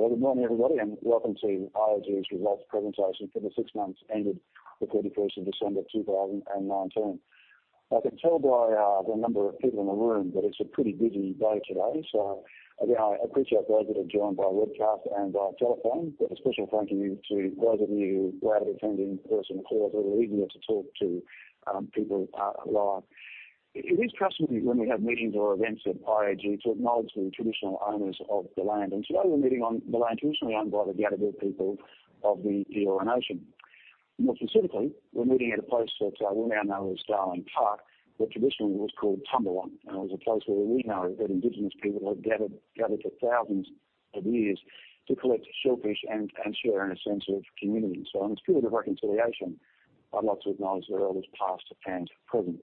Well, good morning, everybody, and welcome to IAG's results presentation for the six months ended the 31st of December, 2019. I can tell by the number of people in the room that it's a pretty busy day today. Again, I appreciate those that have joined by webcast and by telephone, but a special thank you to those of you who are attending in person, because it is easier to talk to people live. It is customary when we have meetings or events at IAG to acknowledge the traditional owners of the land, and today we're meeting on the land traditionally owned by the Gadigal people of the Eora nation. More specifically, we're meeting at a place that we now know as Darling Park, but traditionally it was called Tumbalong, and it was a place where we know that indigenous people have gathered for thousands of years to collect shellfish and share in a sense of community. In the spirit of reconciliation, I'd like to acknowledge their elders, past and present.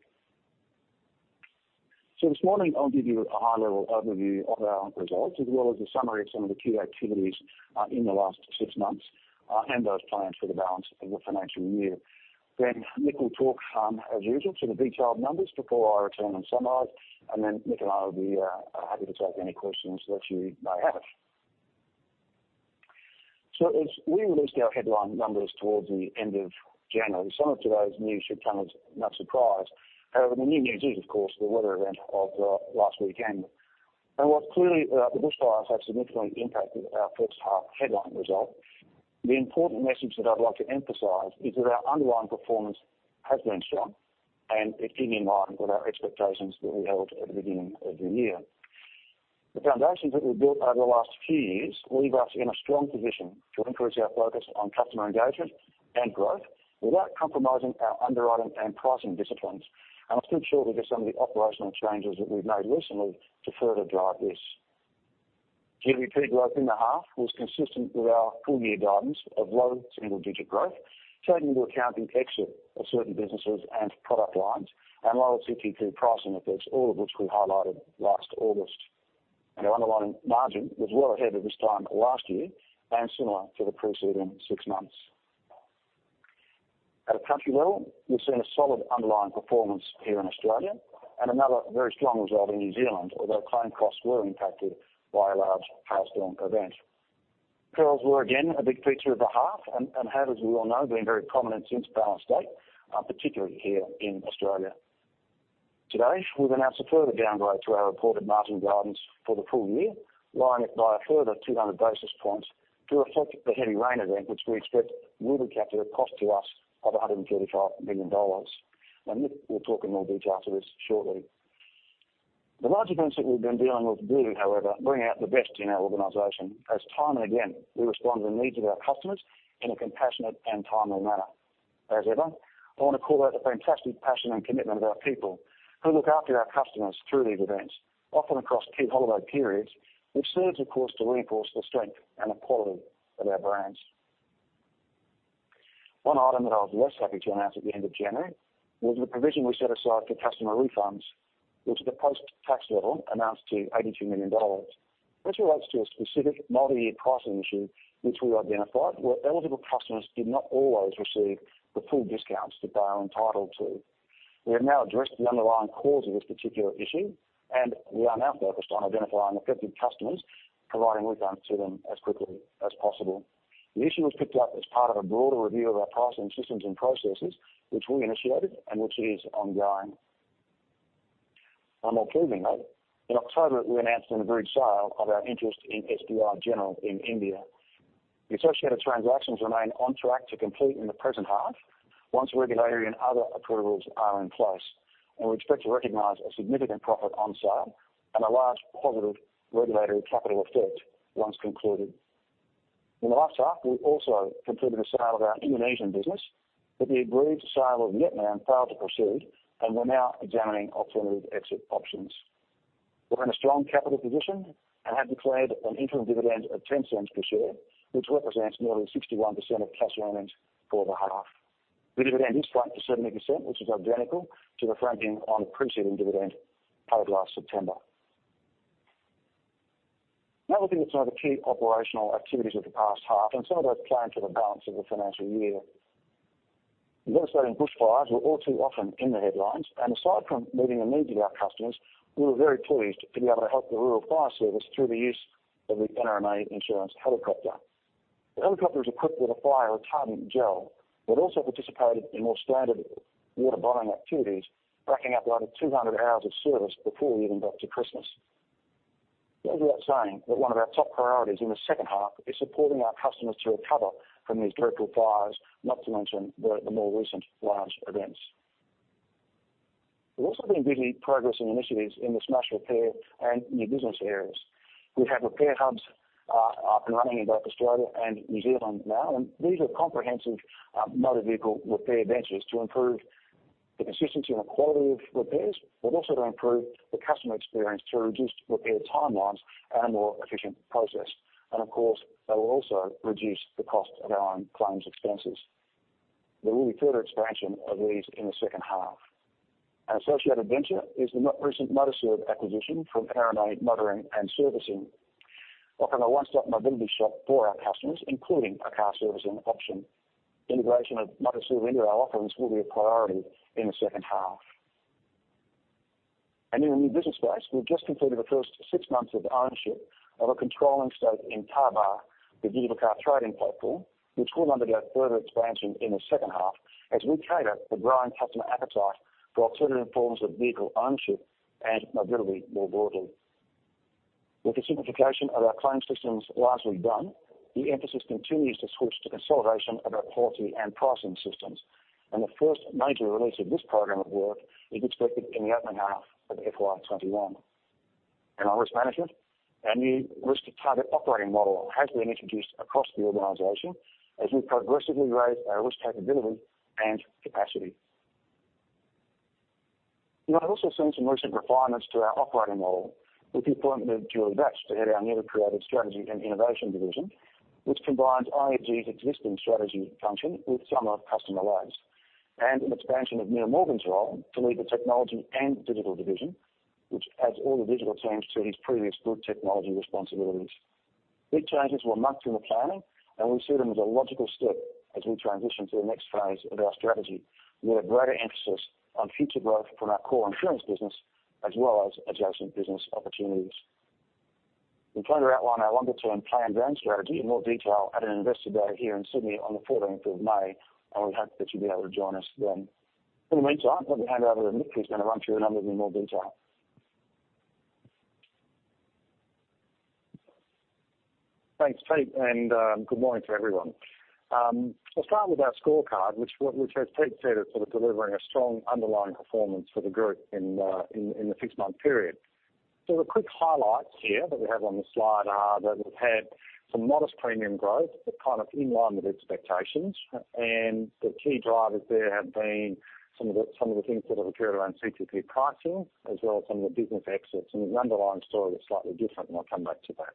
This morning, I'll give you a high-level overview of our results, as well as a summary of some of the key activities in the last six months and those planned for the balance of the financial year. Nick will talk, as usual, to the detailed numbers before I return and summarize, Nick and I will be happy to take any questions that you may have. As we released our headline numbers towards the end of January, some of today's news should come as no surprise. While clearly the bushfires have significantly impacted our first half headline result, the important message that I'd like to emphasize is that our underlying performance has been strong and is in line with our expectations that we held at the beginning of the year. The foundations that we've built over the last few years leave us in a strong position to increase our focus on customer engagement and growth without compromising our underwriting and pricing disciplines. I'm still sure that some of the operational changes that we've made recently to further drive this. GWP growth in the half was consistent with our full-year guidance of low single-digit growth, taking into account the exit of certain businesses and product lines and lower CTP pricing effects, all of which we highlighted last August. Our underlying margin was well ahead of this time last year and similar to the preceding six months. At a country level, we've seen a solid underlying performance here in Australia and another very strong result in New Zealand, although claim costs were impacted by a large hailstorm event. Perils were again a big feature of the half and have, as we all know, been very prominent since balance date, particularly here in Australia. Today, we've announced a further downgrade to our reported margin guidance for the full year, lowering it by a further 200 basis points to reflect the heavy rain event, which we expect will capture a cost to us of 135 million dollars. Nick will talk in more detail to this shortly. The large events that we've been dealing with do, however, bring out the best in our organization as time and again, we respond to the needs of our customers in a compassionate and timely manner. As ever, I want to call out the fantastic passion and commitment of our people who look after our customers through these events, often across key holiday periods, which serves, of course, to reinforce the strength and the quality of our brands. One item that I was less happy to announce at the end of January was the provision we set aside for customer refunds, which at the post-tax level amounts to 82 million dollars. This relates to a specific multi-year pricing issue which we identified where eligible customers did not always receive the full discounts that they are entitled to. We have now addressed the underlying cause of this particular issue, and we are now focused on identifying affected customers, providing refunds to them as quickly as possible. The issue was picked up as part of a broader review of our pricing systems and processes, which we initiated and which is ongoing. More pleasingly, in October, we announced an agreed sale of our interest in SBI General in India. The associated transactions remain on track to complete in the present half once regulatory and other approvals are in place. We expect to recognize a significant profit on sale and a large positive regulatory capital effect once concluded. In the last half, we also completed a sale of our Indonesian business. The agreed sale of Vietnam failed to proceed. We're now examining alternative exit options. We're in a strong capital position and have declared an interim dividend of 0.10 per share, which represents more than 61% of cash earnings for the half. The dividend is franked to 70%, which is identical to the franking on the preceding dividend paid last September. Looking at some of the key operational activities of the past half and some of those planned for the balance of the financial year. The devastating bushfires were all too often in the headlines. Aside from meeting the needs of our customers, we were very pleased to be able to help the Rural Fire Service through the use of the NRMA Insurance helicopter. The helicopter is equipped with a fire retardant gel but also participated in more standard water bombing activities, racking up over 200 hours of service before we even got to Christmas. It goes without saying that one of our top priorities in the second half is supporting our customers to recover from these dreadful fires, not to mention the more recent large events. We've also been busy progressing initiatives in the smash repair and new business areas. We have repair hubs up and running in both Australia and New Zealand now, these are comprehensive motor vehicle repair ventures to improve the consistency and quality of repairs, but also to improve the customer experience through reduced repair timelines and a more efficient process. Of course, they will also reduce the cost of our own claims expenses. There will be further expansion of these in the second half. An associated venture is the recent MotorServe acquisition from NRMA Motoring and Servicing, offering a one-stop mobility shop for our customers, including a car servicing option. Integration of MotorServe into our offerings will be a priority in the second half. In the new business space, we've just completed the first six months of ownership of a controlling stake in Carbar, the vehicle car trading platform, which will undergo further expansion in the second half as we cater for growing customer appetite for alternative forms of vehicle ownership and mobility more broadly. With the simplification of our claim systems largely done, the emphasis continues to switch to consolidation of our policy and pricing systems. The first major release of this program of work is expected in the opening half of FY 2021. On risk management, our new risk target operating model has been introduced across the organization as we progressively raise our risk capability and capacity. You might also have seen some recent refinements to our operating model with the appointment of Julie Batch to head our newly created strategy and innovation division, which combines IAG's existing strategy function with some of Customer Labs, and an expansion of Neil Morgan's role to lead the technology and digital division, which adds all the digital teams to his previous group technology responsibilities. These changes were much in the planning, and we see them as a logical step as we transition to the next phase of our strategy, with a greater emphasis on future growth from our core insurance business, as well as adjacent business opportunities. We plan to outline our longer-term plan brand strategy in more detail at an investor day here in Sydney on the 14th of May, and we hope that you'll be able to join us then. In the meantime, let me hand over to Nick, who's going to run through the numbers in more detail. Thanks, Pete. Good morning to everyone. I'll start with our scorecard, which as Pete said, is sort of delivering a strong underlying performance for the group in the fixed month period. The quick highlights here that we have on the slide are that we've had some modest premium growth, but kind of in line with expectations. The key drivers there have been some of the things that have occurred around CTP pricing, as well as some of the business exits, and the underlying story is slightly different, and I'll come back to that.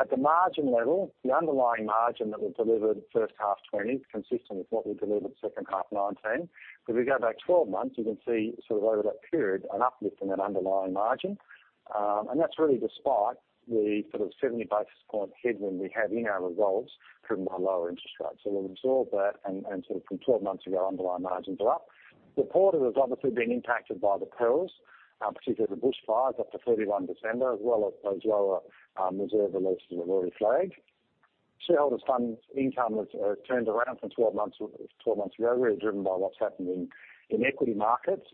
At the margin level, the underlying margin that we delivered first half FY 2020, consistent with what we delivered second half FY 2019. If we go back 12 months, you can see sort of over that period, an uplift in that underlying margin. That's really despite the sort of 70 basis points headwind we have in our results driven by lower interest rates. We've absorbed that and sort of from 12 months ago, underlying margins are up. The quarter has obviously been impacted by the perils, particularly the bushfires up to 31 December, as well as those lower reserve releases we've already flagged. Shareholders funds income has turned around from 12 months ago, really driven by what's happened in equity markets.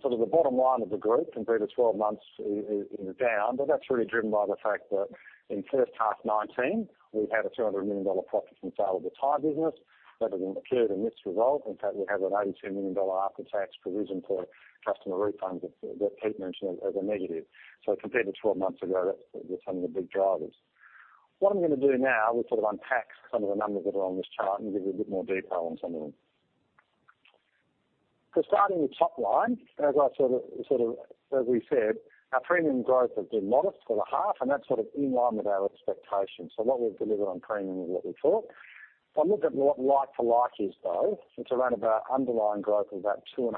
Sort of the bottom line of the group compared to 12 months is down, but that's really driven by the fact that in the first half 2019, we had a 200 million dollar profit from sale of the Thai business. That has occurred in this result. In fact, we have an 82 million dollar after-tax provision for customer refunds that Pete mentioned as a negative. Compared to 12 months ago, that's some of the big drivers. What I'm going to do now is sort of unpack some of the numbers that are on this chart and give you a bit more detail on some of them. Starting with top line, as we said, our premium growth has been modest for the half, and that's sort of in line with our expectations. What we've delivered on premium is what we thought. If I look at what like-to-like is though, it's around about underlying growth of about 2.5%.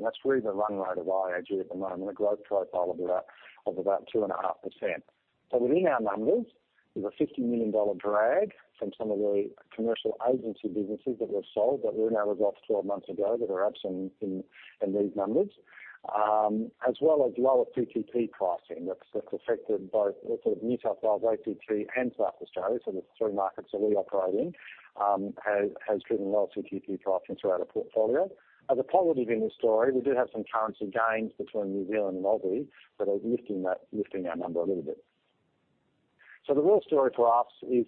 That's really the run rate of IAG at the moment, a growth profile of about 2.5%. Within our numbers, there's a 50 million dollar drag from some of the commercial agency businesses that were sold that were in our results 12 months ago that are absent in these numbers. As well as lower CTP pricing that's affected both sort of New South Wales, ACT and South Australia. The three markets that we operate in has driven lower CTP pricing throughout our portfolio. As a positive in this story, we do have some currency gains between New Zealand and Australian dollars that are lifting our number a little bit. The real story for us is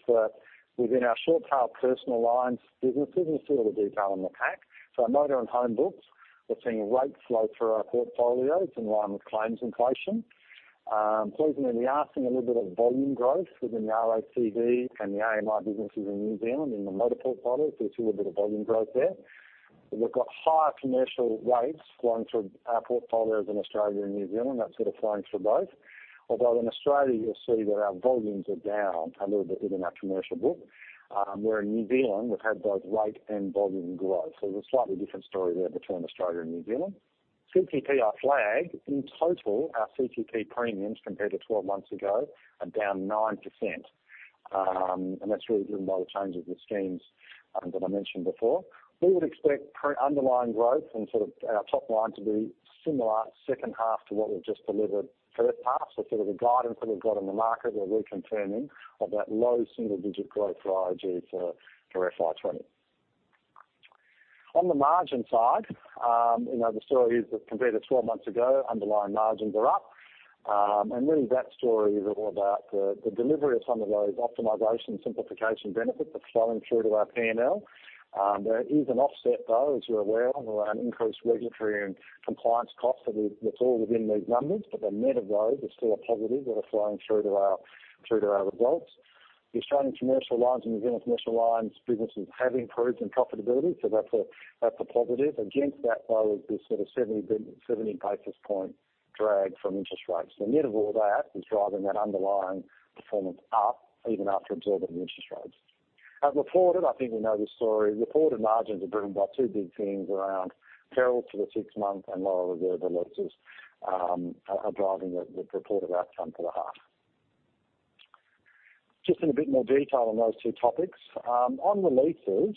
within our Short Tail Personal lines businesses, you'll see all the detail in the pack. Our motor and home books, we're seeing rates flow through our portfolio. It's in line with claims inflation. Pleasingly, we are seeing a little bit of volume growth within the RACV and the AMI businesses in New Zealand in the motor portfolio. You see a little bit of volume growth there. We've got higher commercial rates flowing through our portfolios in Australia and New Zealand. That sort of flows for both. In Australia, you'll see that our volumes are down a little bit within our commercial book. Where in New Zealand we've had both rate and volume growth. There's a slightly different story there between Australia and New Zealand. CTP, I flagged in total our CTP premiums compared to 12 months ago are down 9%, and that's really driven by the changes in schemes that I mentioned before. We would expect underlying growth and sort of our top line to be similar second half to what we've just delivered first half. Sort of the guidance that we've got in the market we're reconfirming of that low single-digit growth for IAG for FY 2020. On the margin side, the story is that compared to 12 months ago, underlying margins are up. Really that story is all about the delivery of some of those optimization simplification benefits that's flowing through to our P&L. There is an offset though, as you're aware, of increased regulatory and compliance costs that's all within these numbers, but the net of those is still a positive that are flowing through to our results. The Australian commercial lines and New Zealand commercial lines businesses have improved in profitability, so that's a positive. Against that though is this sort of 70 basis point drag from interest rates. The net of all that is driving that underlying performance up even after absorbing the interest rates. At reported, I think we know this story. Reported margins are driven by two big things around perils for the six months and lower reserve releases are driving the reported outcome for the half. Just in a bit more detail on those two topics. On the releases,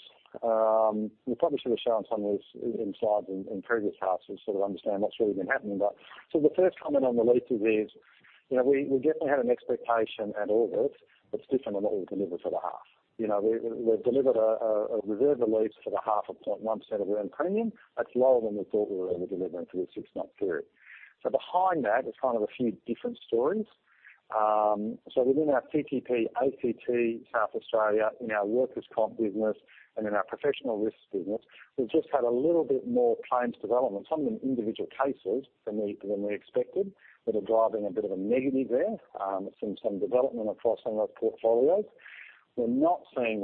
we probably should have shown some of these slides in previous halves to sort of understand what's really been happening. The first comment on the releases is, we definitely had an expectation at August that's different than what we delivered for the half. We delivered a reserve release for the half of 0.1% of earned premium. That's lower than we thought we were going to be delivering for this six-month period. Behind that is kind of a few different stories. Within our CTP, ACT, South Australia, in our workers' comp business, and in our professional risks business, we've just had a little bit more claims development, some of them individual cases than we expected, that are driving a bit of a negative there. We've seen some development across some of those portfolios. We're not seeing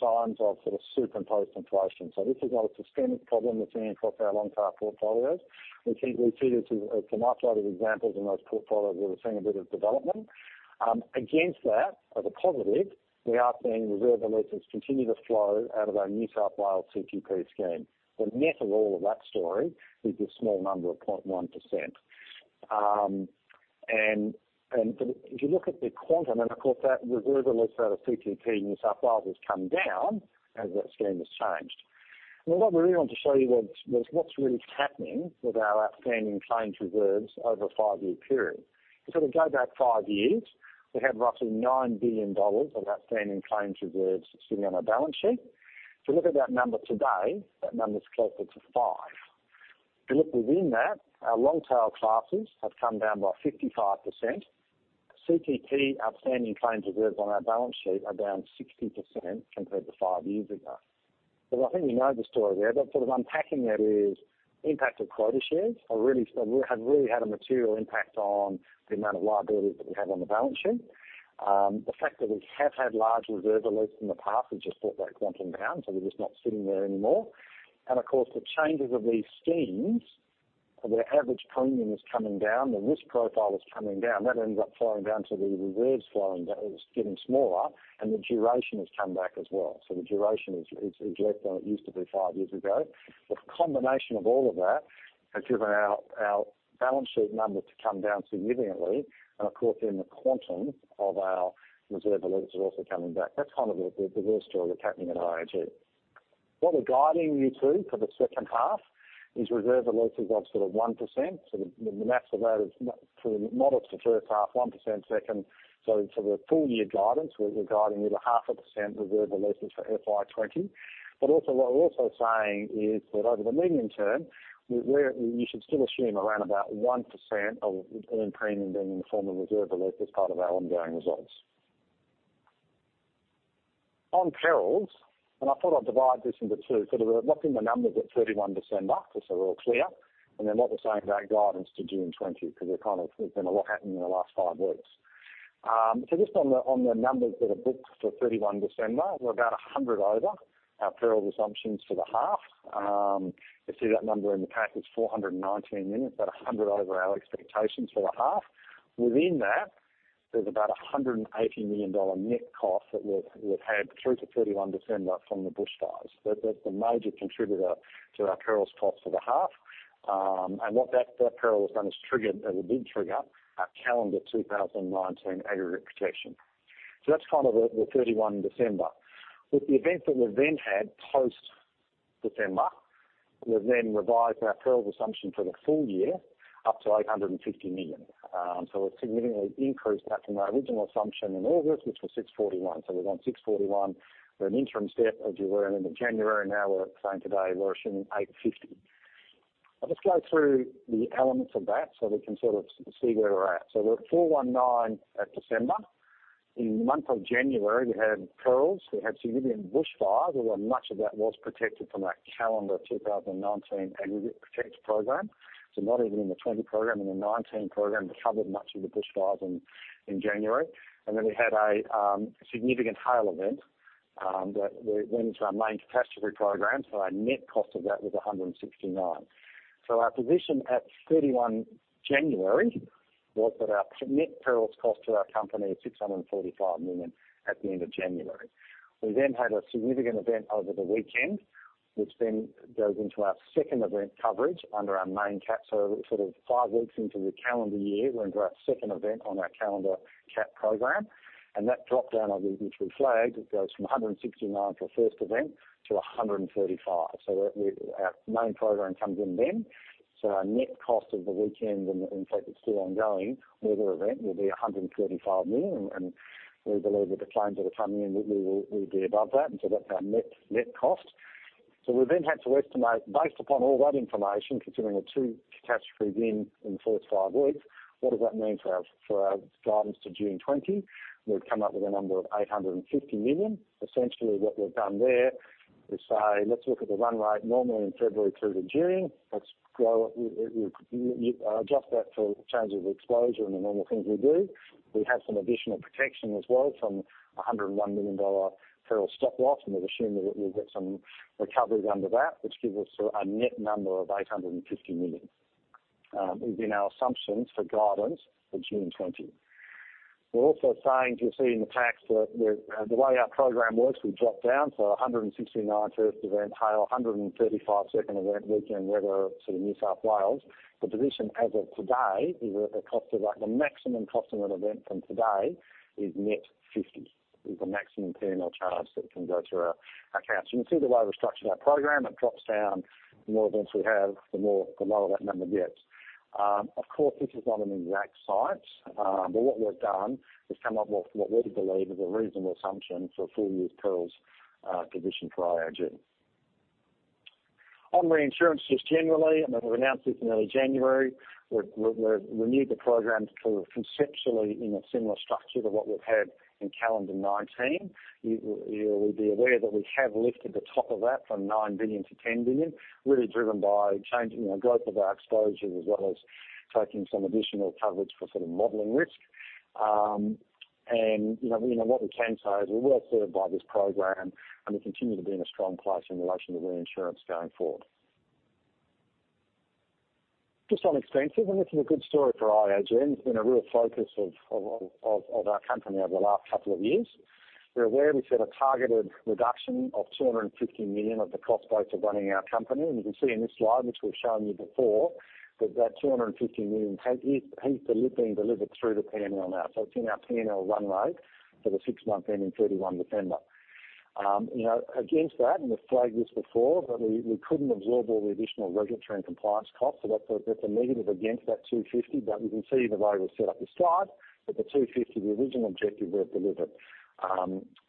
signs of superimposed inflation. This is not a systemic problem we're seeing across our long-tail portfolios. We see this as some isolated examples in those portfolios where we're seeing a bit of development. Against that, as a positive, we are seeing reserve releases continue to flow out of our New South Wales CTP scheme. The net of all of that story is this small number of 0.1%. If you look at the quantum, and of course, that reserve release out of CTP in New South Wales has come down as that scheme has changed. What we really want to show you is what's really happening with our outstanding claims reserves over a five-year period. If we sort of go back five years, we have roughly 9 billion dollars of outstanding claims reserves sitting on our balance sheet. If you look at that number today, that number is closer to five. If you look within that, our long-tail classes have come down by 55%. CTP outstanding claims reserves on our balance sheet are down 60% compared to five years ago. I think we know the story there, but sort of unpacking that is the impact of quota shares have really had a material impact on the amount of liabilities that we have on the balance sheet. The fact that we have had large reserve releases in the past, we just took that quantum down, so they're just not sitting there anymore. Of course, the changes of these schemes, where the average premium is coming down, the risk profile is coming down. That ends up flowing down to the reserves. It's getting smaller, and the duration has come back as well. The duration is less than it used to be five years ago. The combination of all of that has driven our balance sheet number to come down significantly. Of course, then the quantum of our reserve releases are also coming back. That's kind of the real story that's happening at IAG. What we're guiding you to for the second half is reserve releases of sort of 1%. The maths of that is sort of not up to first half, 1% second. For the full-year guidance, we're guiding with a 0.5% reserve releases for FY 2020. Also what we're also saying is that over the medium term, you should still assume around about 1% of earned premium being in the form of reserve release as part of our ongoing results. On perils, and I thought I'd divide this into two, sort of looking at the numbers at 31 December, just so we're all clear, and then what we're saying about guidance to June 2020, because there's been a lot happening in the last five weeks. Just on the numbers that are booked for 31 December, we're about 100 million over our peril assumptions for the half. You see that number in the pack is 419 million, but 100 million over our expectations for the half. Within that, there's about 180 million dollar net cost that we've had through to 31 December from the bushfires. That's the major contributor to our perils cost for the half. What that peril has done is triggered our calendar 2019 aggregate protection. That's kind of the 31 December. With the events that we've then had post-December, we've then revised our perils assumption for the full year up to 850 million. We've significantly increased that from our original assumption in August, which was 641 million. We went 641 million with an interim step, as you were in January, now we're saying today we're assuming 850 million. I'll just go through the elements of that so we can sort of see where we're at. We're at 419 million at December. In the month of January, we had perils. We had significant bushfires. Much of that was protected from that calendar 2019 aggregate protection program. Not even in the 2020 program, in the 2019 program, we covered much of the bushfires in January. We had a significant hail event that went into our main catastrophe program. Our net cost of that was 169 million. Our position at 31 January was that our net perils cost to our company is 645 million at the end of January. We had a significant event over the weekend, which then goes into our second event coverage under our main cat. Sort of five weeks into the calendar year, we're into our second event on our calendar cat program. That dropdown, as we flagged, it goes from 169 million for first event to 135 million. Our main program comes in then. Our net cost of the weekend, and in fact, it's still ongoing weather event, will be 135 million, and we believe that the claims that are coming in will be above that. That's our net cost. We've then had to estimate based upon all that information, considering the two catastrophes in the first five weeks, what does that mean for our guidance to June 2020? We've come up with a number of 850 million. Essentially, what we've done there is say, let's look at the run rate normally in February through to June. Let's adjust that for changes of exposure and the normal things we do. We have some additional protection as well from 101 million dollar peril stop loss, and we've assumed that we'll get some recoveries under that, which gives us a net number of 850 million within our assumptions for guidance for June 2020. We're also saying, you'll see in the pack that the way our program works, we drop down. 169 million first event hail, 135 million second event weekend weather sort of New South Wales. The position as of today is that the maximum cost of an event from today is net 50 million, is the maximum P&L charge that can go through our accounts. You can see the way we structured our program. It drops down the more events we have, the lower that number gets. Of course, this is not an exact science, but what we've done is come up with what we believe is a reasonable assumption for a full year perils condition for IAG. On reinsurance just generally, and we've announced this in early January, we renewed the programs conceptually in a similar structure to what we've had in calendar 2019. You will be aware that we have lifted the top of that from 9 billion to 10 billion, really driven by growth of our exposure as well as taking some additional coverage for modeling risk. What we can say is we're well served by this program, and we continue to be in a strong place in relation to reinsurance going forward. Just on expenses, this is a good story for IAG and it's been a real focus of our company over the last couple of years. You're aware we set a targeted reduction of 250 million of the cost base of running our company, you can see in this slide, which we've shown you before, that that 250 million has been delivered through the P&L now. It's in our P&L run rate for the six month ending 31 December. Against that, we've flagged this before, we couldn't absorb all the additional regulatory and compliance costs, that's a negative against that 250 million. You can see the way we've set up the slide, that the 250 million, the original objective we've delivered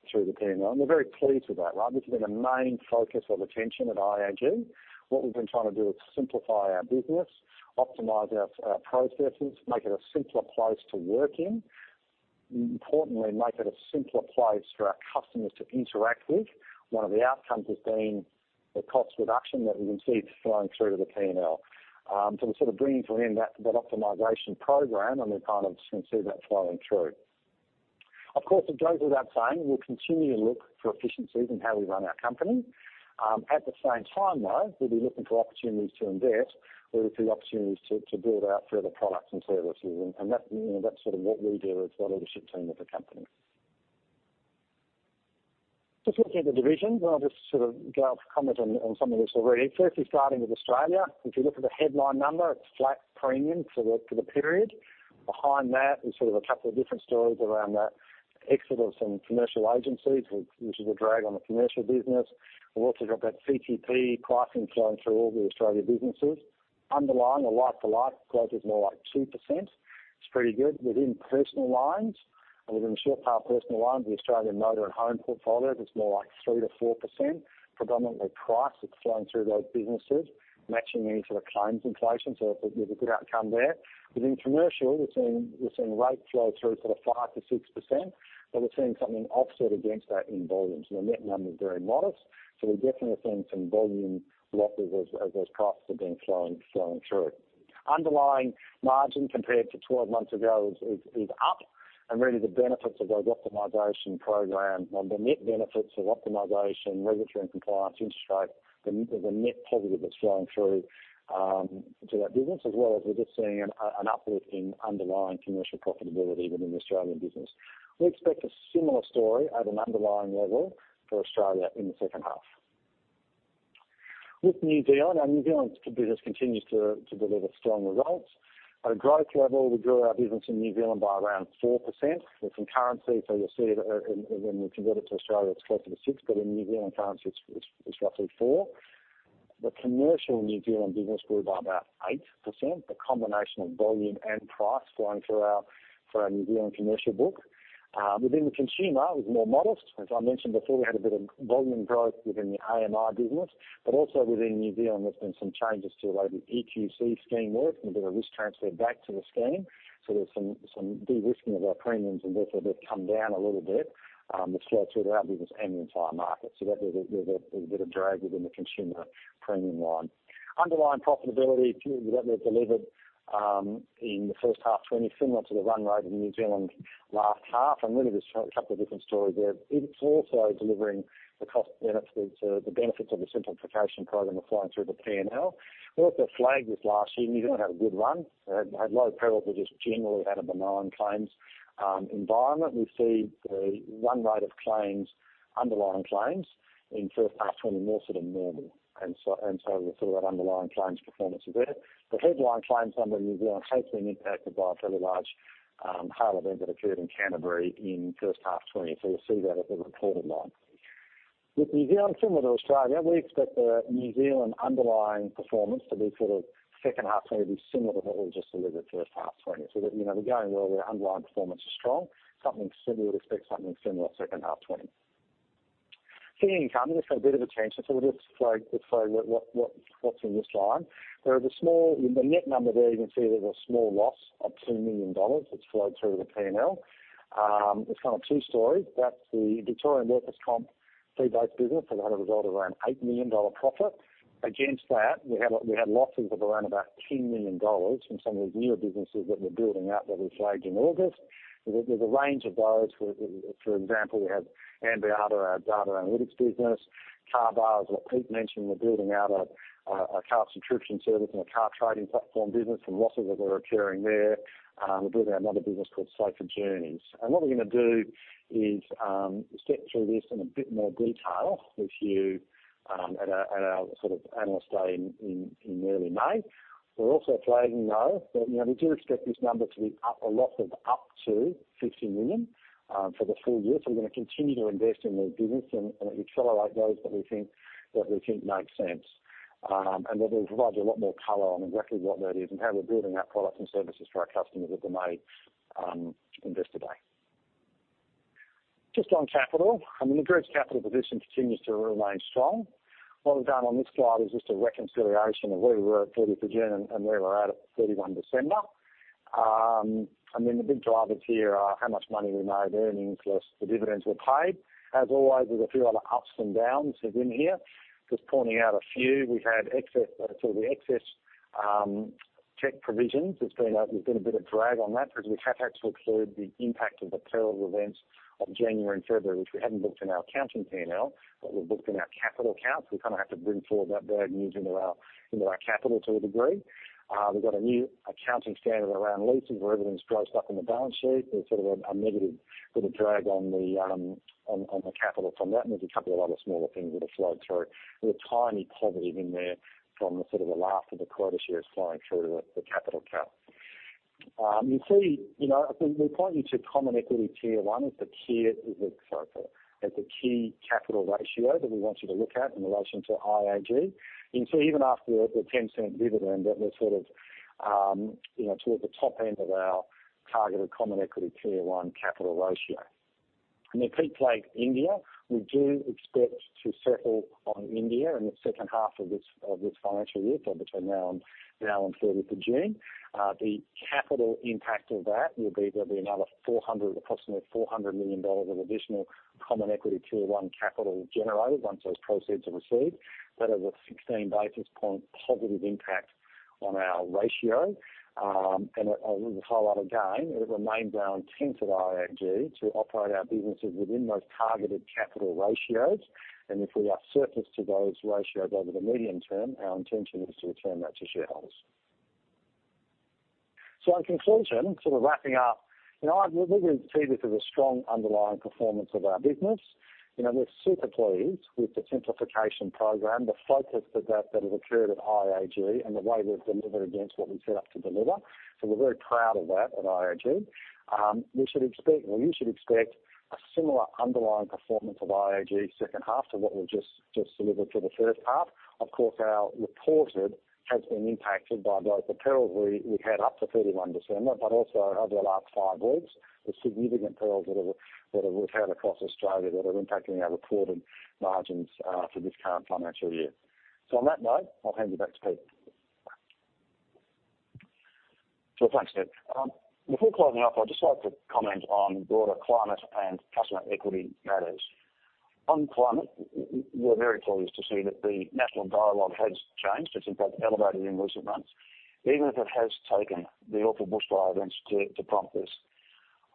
through the P&L, we're very pleased with that. This has been a main focus of attention at IAG. What we've been trying to do is simplify our business, optimize our processes, make it a simpler place to work in, importantly, make it a simpler place for our customers to interact with. One of the outcomes has been the cost reduction that we can see flowing through to the P&L. We're sort of bringing to an end that optimization program, we're kind of seeing that flowing through. Of course, it goes without saying, we'll continue to look for efficiencies in how we run our company. At the same time, though, we'll be looking for opportunities to invest where we see opportunities to build out further products and services. That's sort of what we do as the leadership team of the company. Just looking at the divisions, and I'll just sort of go off comment on some of this already. Firstly, starting with Australia, if you look at the headline number, it's flat premium for the period. Behind that is sort of a couple of different stories around the exit of some commercial agencies, which is a drag on the commercial business. We've also got that CTP pricing flowing through all the Australia businesses. Underlying the like-to-like growth is more like 2%. It's pretty good. Within Personal lines, within Short Tail Personal lines, the Australian motor and home portfolios, it's more like 3%-4%, predominantly price that's flowing through those businesses, matching any sort of claims inflation. It was a good outcome there. Within Commercial, we're seeing rate flow through sort of 5%-6%, but we're seeing something offset against that in volumes. The net number is very modest. We're definitely seeing some volume losses as those prices have been flowing through. Underlying margin compared to 12 months ago is up, and really the benefits of those optimization programs and the net benefits of optimization, regulatory and compliance interest rates, there's a net positive that's flowing through to that business, as well as we're just seeing an uplift in underlying Commercial profitability within the Australian business. We expect a similar story at an underlying level for Australia in the second half. Our New Zealand business continues to deliver strong results. At a growth level, we grew our business in New Zealand by around 4%. There's some currency. You'll see that when we convert it to Australia, it's closer to 6%, but in New Zealand currency, it's roughly 4%. The commercial New Zealand business grew by about 8%, a combination of volume and price flowing through our New Zealand commercial book. Within the consumer, it was more modest. As I mentioned before, we had a bit of volume growth within the AMI business. Also within New Zealand, there's been some changes to the way the EQC scheme works and a bit of risk transfer back to the scheme. There's some de-risking of our premiums and therefore they've come down a little bit, which flow through to our business and the entire market. That was a bit of drag within the consumer premium line. Underlying profitability that we've delivered in the first half 2020, similar to the run rate of New Zealand last half, really there's a couple of different stories there. It's also delivering the cost benefits, the benefits of the simplification program are flowing through the P&L. We also flagged this last year. New Zealand had a good run. They had low peril. They just generally had a benign claims environment. We see the run rate of claims, underlying claims in first half 2020 more sort of normal. That sort of underlying claims performance there. The headline claims number in New Zealand has been impacted by a fairly large hail event that occurred in Canterbury in first half 2020. You'll see that at the recorded line. With New Zealand similar to Australia, we expect the New Zealand underlying performance to be sort of second half 2020 be similar to what we just delivered first half 2020. We're going well. The underlying performance is strong. Something similar, we'd expect something similar second half 2020. Fee and income, this had a bit of attention, so we'll just flag what's in this line. There is a small loss of 2 million dollars that's flowed through the P&L. It's kind of two stories. That's the Victorian workers' comp fee-based business that would have a result of around 8 million dollar profit. Against that, we had losses of around about 10 million dollars from some of these newer businesses that we're building out that we flagged in August. There's a range of those. For example, we have Ambiata, our data analytics business, Carbar, as what Pete mentioned, we're building out a car subscription service and a car trading platform business and losses that are occurring there. We're building another business called Safer Journeys. What we're going to do is step through this in a bit more detail with you at our sort of Analyst Day in early May. We're also flagging, though, that we do expect this number to be a loss of up to 50 million for the full year. We're going to continue to invest in these businesses and accelerate those that we think make sense. That will provide you a lot more color on exactly what that is and how we're building our products and services for our customers as they may invest today. Just on capital, the group's capital position continues to remain strong. What we've done on this slide is just a reconciliation of where we were at 30th June and where we're at at 31 December. The big drivers here are how much money we made, earnings plus the dividends we paid. As always, there's a few other ups and downs within here. Just pointing out a few. We've had excess tech provisions. There's been a bit of drag on that because we have had to include the impact of the peril events of January and February, which we hadn't booked in our accounting P&L, but were booked in our capital accounts. We kind of have to bring forward that bad news into our capital to a degree. We've got a new accounting standard around leases where everything's dressed up in the balance sheet. There's sort of a negative bit of drag on the capital from that, and there's a couple of other smaller things that have flowed through. There's a tiny positive in there from the sort of the last of the quota shares flowing through to the capital count. We point you to Common Equity Tier 1 as the key capital ratio that we want you to look at in relation to IAG. You can see even after the 0.10 dividend that we're sort of towards the top end of our targeted Common Equity Tier 1 capital ratio. Pete flagged India. We do expect to settle on India in the second half of this financial year, so between now and 30th June. The capital impact of that will be there'll be another approximately 400 million dollars of additional Common Equity Tier 1 capital generated once those proceeds are received. That is a 16 basis point positive impact on our ratio. I'll highlight again, it remains our intent at IAG to operate our businesses within those targeted capital ratios. If we are surplus to those ratios over the medium term, our intention is to return that to shareholders. In conclusion, sort of wrapping up. We see this as a strong underlying performance of our business. We're super pleased with the simplification program, the focus of that has occurred at IAG and the way we've delivered against what we set up to deliver. We're very proud of that at IAG. You should expect a similar underlying performance of IAG second half to what we've just delivered for the first half. Of course, our reported has been impacted by both the perils we've had up to 31 December, but also over the last five weeks, the significant perils that we've had across Australia that are impacting our reported margins for this current financial year. On that note, I'll hand you back to Pete. Sure. Thanks, Nick. Before closing off, I'd just like to comment on broader climate and customer equity matters. On climate, we're very pleased to see that the national dialogue has changed. It's in fact elevated in recent months, even if it has taken the awful bushfire events to prompt this.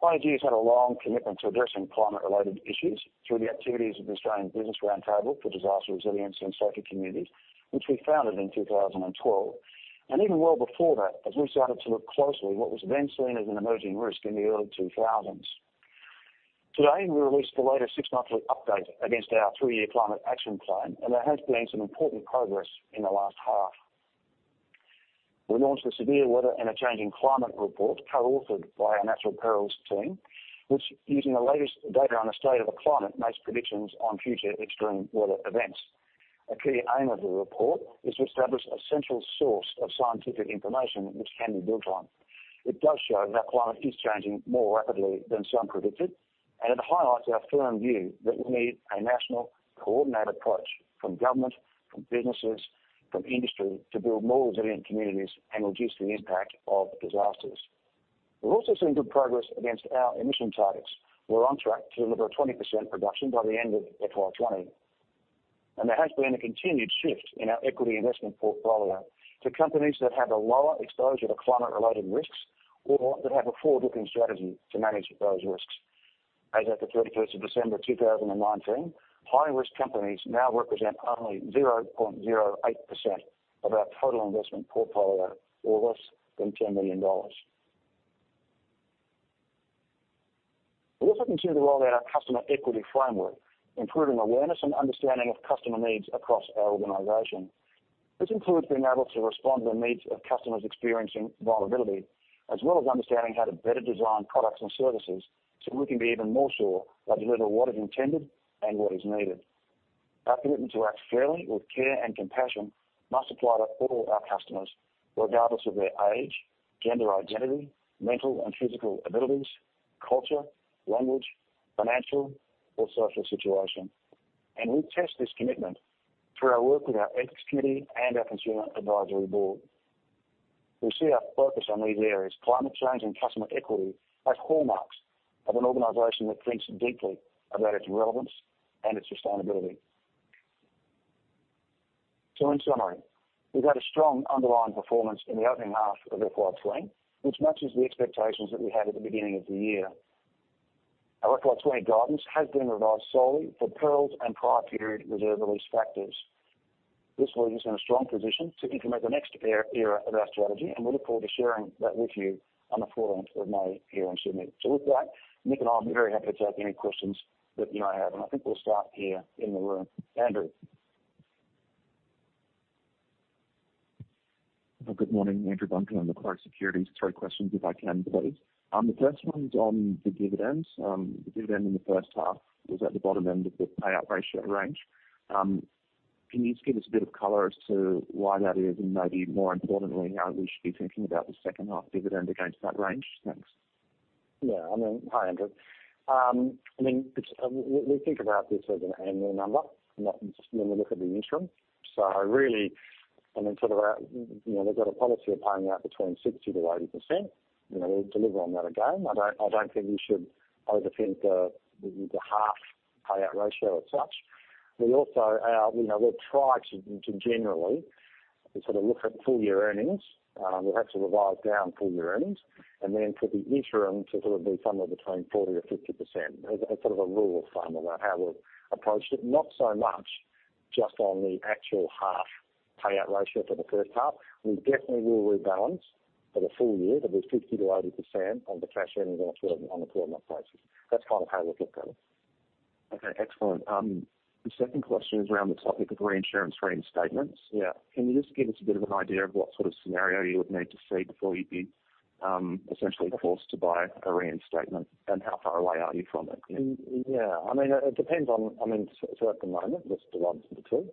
IAG's had a long commitment to addressing climate-related issues through the activities of the Australian Business Roundtable for Disaster Resilience and Safer Communities, which we founded in 2012. Even well before that, as we started to look closely at what was then seen as an emerging risk in the early 2000s. Today, we released the latest six-monthly update against our three-year climate action plan, and there has been some important progress in the last half. We launched the Severe Weather and a Changing Climate report, co-authored by our Natural Perils team, which using the latest data on the state of the climate, makes predictions on future extreme weather events. A key aim of the report is to establish a central source of scientific information which can be built on. It does show that climate is changing more rapidly than some predicted, and it highlights our firm view that we need a national coordinated approach from government, from businesses, from industry, to build more resilient communities and reduce the impact of disasters. We've also seen good progress against our emission targets. We're on track to deliver a 20% reduction by the end of FY 2020. There has been a continued shift in our equity investment portfolio to companies that have a lower exposure to climate related risks or that have a forward-looking strategy to manage those risks. As at the 31st of December 2019, high-risk companies now represent only 0.08% of our total investment portfolio or less than AUD 10 million. We also continue to roll out our customer equity framework, improving awareness and understanding of customer needs across our organization. This includes being able to respond to the needs of customers experiencing vulnerability, as well as understanding how to better design products and services so we can be even more sure they deliver what is intended and what is needed. Our commitment to act fairly with care and compassion must apply to all our customers, regardless of their age, gender identity, mental and physical abilities, culture, language, financial or social situation. We test this commitment through our work with our ethics committee and our consumer advisory board. We see our focus on these areas, climate change and customer equity, as hallmarks of an organization that thinks deeply about its relevance and its sustainability. In summary, we've had a strong underlying performance in the opening half of FY 2020, which matches the expectations that we had at the beginning of the year. Our FY 2020 guidance has been revised solely for perils and prior period reserve release factors. This leaves us in a strong position to implement the next era of our strategy, and we look forward to sharing that with you on the 14th of May here in Sydney. With that, Nick and I would be very happy to take any questions that you may have, and I think we will start here in the room. Andrew. Good morning. Andrew Buncombe, on the Macquarie Securities. Three questions if I can, please. The first one's on the dividends. The dividend in the first half was at the bottom end of the payout ratio range. Can you just give us a bit of color as to why that is and maybe more importantly, how we should be thinking about the second half dividend against that range? Thanks. Hi, Andrew. We think about this as an annual number, not just when we look at the interim. Really, we've got a policy of paying out between 60%-80%, and we'll deliver on that again. I don't think we should overthink the half payout ratio as such. We'll try to generally look at full year earnings. We'll have to revise down full year earnings. Then for the interim to be somewhere between 40%-50%, as a rule of thumb on how we've approached it, not so much just on the actual half payout ratio for the first half. We definitely will rebalance for the full year to be 50%-80% of the cash earnings on a 12-month basis. That's how we'll look at it. Okay, excellent. The second question is around the topic of reinsurance reinstatements. Yeah. Can you just give us a bit of an idea of what sort of scenario you would need to see before you'd be essentially forced to buy a reinstatement, and how far away are you from it? It depends. At the moment, just to run through,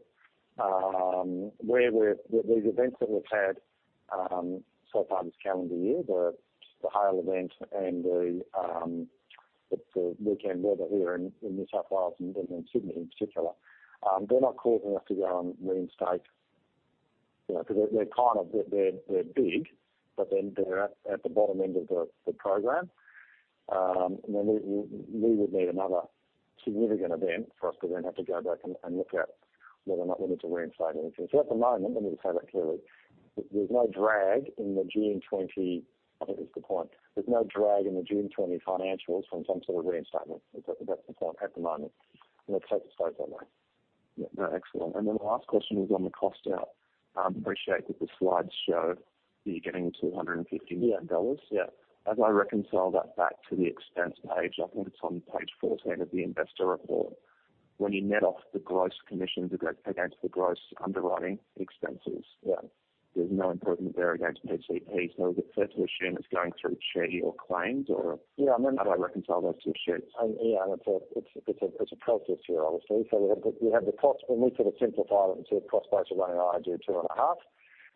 these events that we've had so far this calendar year, the hail event and the weekend weather here in New South Wales and Sydney in particular, they're not causing us to go and reinstate. They're big, but then they're at the bottom end of the program. We would need another significant event for us to then have to go back and look at whether or not we need to reinstate anything. At the moment, let me say that clearly, there's no drag in the June 2020. I think that's the point. There's no drag in the June 2020 financials from some sort of reinstatement. That's the point at the moment. Let's take it slow that way. Yeah. No, excellent. The last question is on the cost out. I appreciate that the slides show you're getting 250 million dollars. Yeah. As I reconcile that back to the expense page, I think it's on page 14 of the investor report. When you net off the gross commissions against the gross underwriting expenses. Yeah. There's no improvement there against PCP. Is it fair to assume it's going through CHE or claims? Yeah, I mean. How do I reconcile those two sheets? Yeah. It's a process here, obviously. We have the cost, and we sort of simplify that into a cost base of one and a half to two and a half.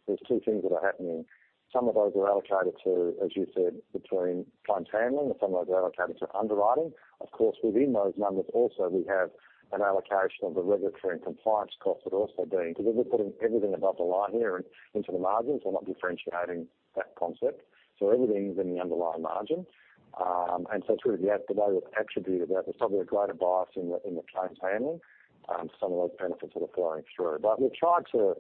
There's two things that are happening. Some of those are allocated to, as you said, between claims handling, and some of those are allocated to underwriting. Of course, within those numbers also, we have an allocation of the regulatory and compliance cost that are also because we're putting everything above the line here and into the margins. We're not differentiating that concept. Everything's in the underlying margin. It's really the way we've attributed that, there's probably a greater bias in the claims handling. Some of those benefits are flowing through. We've tried to,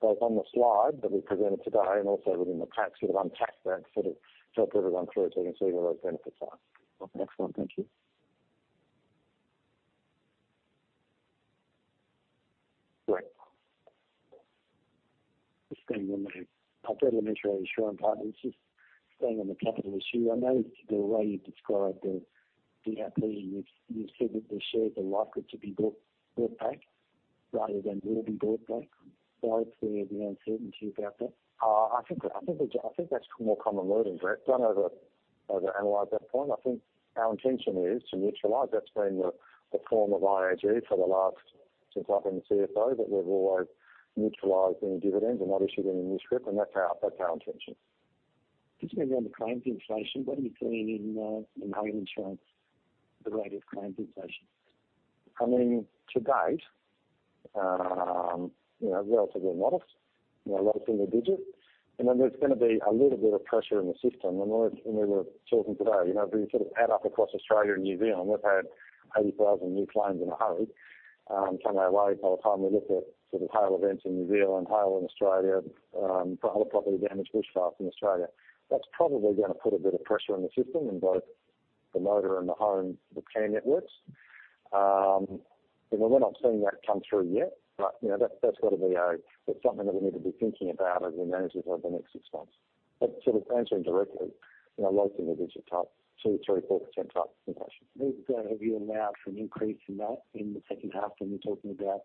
both on the slide that we presented today and also within the pack, sort of unpack that to help everyone through so we can see where those benefits are. Excellent. Thank you. Brett. Just staying on the Brett Le Mesurier, Shaw and Partners. Just staying on the capital issue. I noticed the way you described the IP, you said that the shares are likely to be bought back rather than will be bought back. Sorry for the uncertainty about that. I think that's more common wording, Brett. Don't overanalyze that point. I think our intention is to neutralize. That's been the form of IAG since I've been the Chief Financial Officer, that we've always neutralized any dividends and not issued any new script, and that's our intention. Just maybe on the claims inflation, what are you seeing in home insurance, the rate of claims inflation? To date, relatively modest, low single digits. There's going to be a little bit of pressure in the system. We were talking today, if you add up across Australia and New Zealand, we've had 80,000 new claims in a hurry come our way. By the time we look at hail events in New Zealand, hail in Australia, other property damage, bushfires in Australia. That's probably going to put a bit of pressure in the system in both the motor and the home repair networks. We're not seeing that come through yet, but that's got to be something that we need to be thinking about as we manage it over the next six months. To answer you directly, low single-digit type, 2%, 3%, 4%-type inflation. Have you allowed for an increase in that in the second half when you're talking about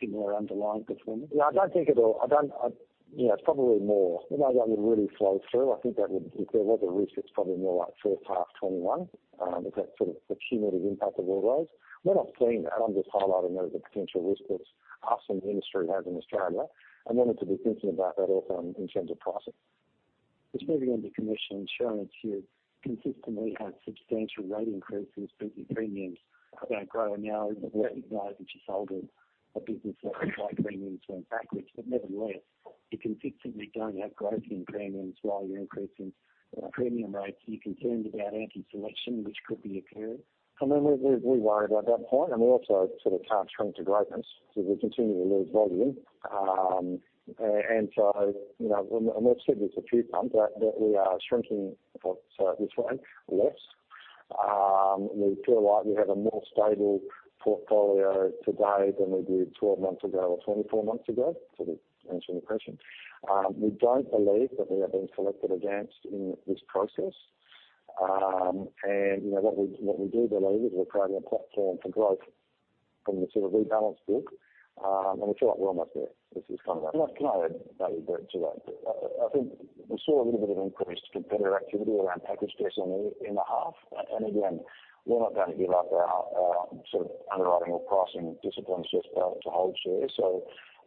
similar underlying performance? Yeah, it's probably more. The way that would really flow through, I think if there was a risk, it's probably more like first half 2021, with that sort of cumulative impact of all those. We are not seeing that. I'm just highlighting those as a potential risk that us and the industry has in Australia, and we need to be thinking about that also in terms of pricing. Just moving on to commission insurance, you've consistently had substantial rate increases but your premiums don't grow, and now recognizing you sold a business that requires premiums going backwards. Nevertheless, you consistently don't have growth in premiums while you're increasing premium rates. Are you concerned about anti-selection, which could be occurring? We worry about that point. We also can't shrink to greatness. We continue to lose volume. We've said this a few times, that we are shrinking this way, less. We feel like we have a more stable portfolio today than we did 12 months ago or 24 months ago to answer your question. We don't believe that we are being selected against in this process. What we do believe is we're creating a platform for growth from the sort of rebalance book. We feel like we're almost there. Can I add value to that? I think we saw a little bit of increased competitor activity around package pricing in the half. Again, we're not going to give up our sort of underwriting or pricing disciplines just to hold shares.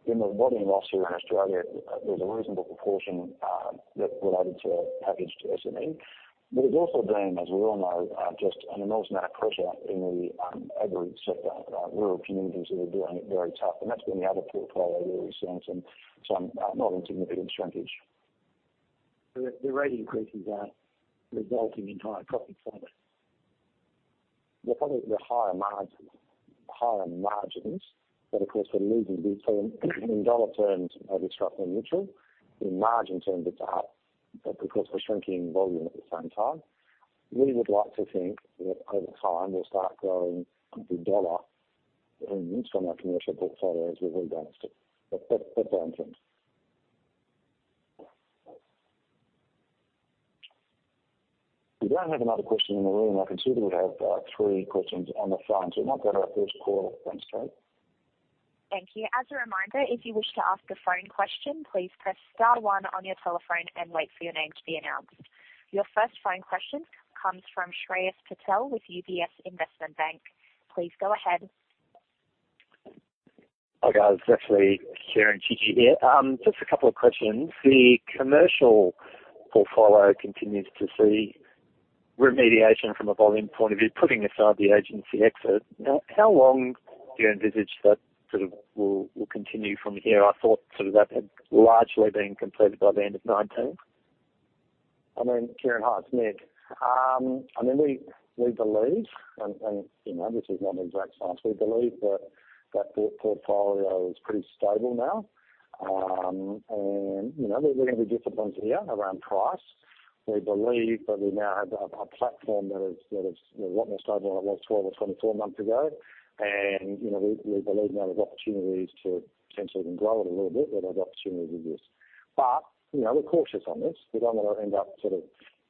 In the volume loss here in Australia, there's a reasonable proportion that related to package to SME. There's also been, as we all know, just an enormous amount of pressure in the agri sector, rural communities that are doing it very tough. That's been the other portfolio where we've seen some not insignificant shrinkage. The rate increases are resulting in higher profit for you. Well, probably the higher margins. Of course, we're losing return in dollar terms are destructive neutral. In margin terms it's up. Because we're shrinking volume at the same time. We would like to think that over time we'll start growing the dollar earnings from our commercial portfolio as we rebalance it. Down trend. We don't have another question in the room. I can see that we have three questions on the phone. We might go to our first caller. Thanks, Terry. Thank you. As a reminder, if you wish to ask a phone question, please press star one on your telephone and wait for your name to be announced. Your first phone question comes from Shreyas Patel with UBS Investment Bank. Please go ahead. Hi, guys. It's actually Ciaran Digby here. Just a couple of questions. The commercial portfolio continues to see remediation from a volume point of view, putting aside the agency exit. How long do you envisage that sort of will continue from here? I thought sort of that had largely been completed by the end of 2019. I mean, Ciaran, hi, it's Nick. I mean, we believe, and you know, this is not an exact science. We believe that that portfolio is pretty stable now. We're going to be disciplined here around price. We believe that we now have a platform that is a lot more stable than it was 12 or 24 months ago. We believe now there's opportunities to potentially even grow it a little bit, that there's opportunity with this. We're cautious on this. We don't want to end up sort of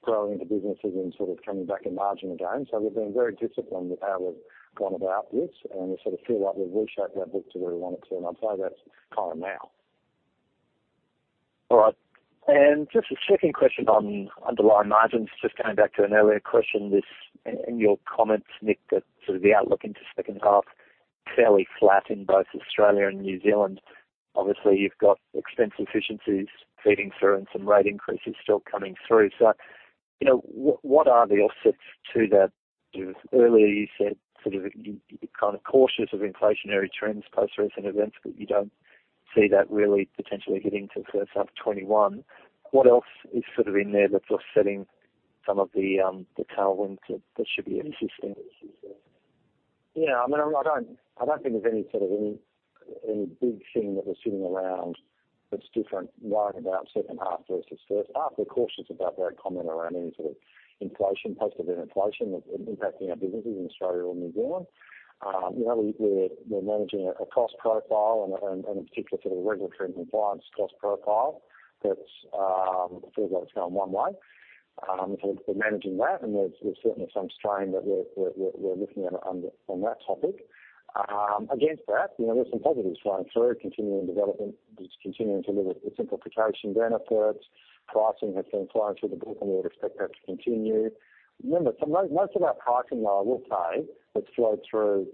growing into businesses and sort of coming back in margin again. We've been very disciplined with how we've gone about this, and we sort of feel like we've reshaped our book to where we want it to, and I'd say that's kind of now. All right. Just a second question on underlying margins. Just going back to an earlier question, this in your comments, Nick, that sort of the outlook into second half, fairly flat in both Australia and New Zealand. Obviously, you've got expense efficiencies feeding through and some rate increases still coming through. What are the offsets to that? Earlier you said sort of you're kind of cautious of inflationary trends post recent events, but you don't see that really potentially hitting until sort of 2021. What else is sort of in there that's offsetting some of the tailwinds that should be existing? I mean, I don't think there's any sort of any big thing that we're sitting around that's different right about second half versus first half. We're cautious about that comment around any sort of inflation post event inflation impacting our businesses in Australia or New Zealand. We're managing a cost profile and in particular sort of regulatory compliance cost profile that feels like it's going one way. We're managing that and there's certainly some strain that we're looking at on that topic. There's some positives flowing through, continuing development that's continuing to deliver the simplification benefits. Pricing has been flowing through the book, and we would expect that to continue. Most of our pricing, I will say, that's flowed through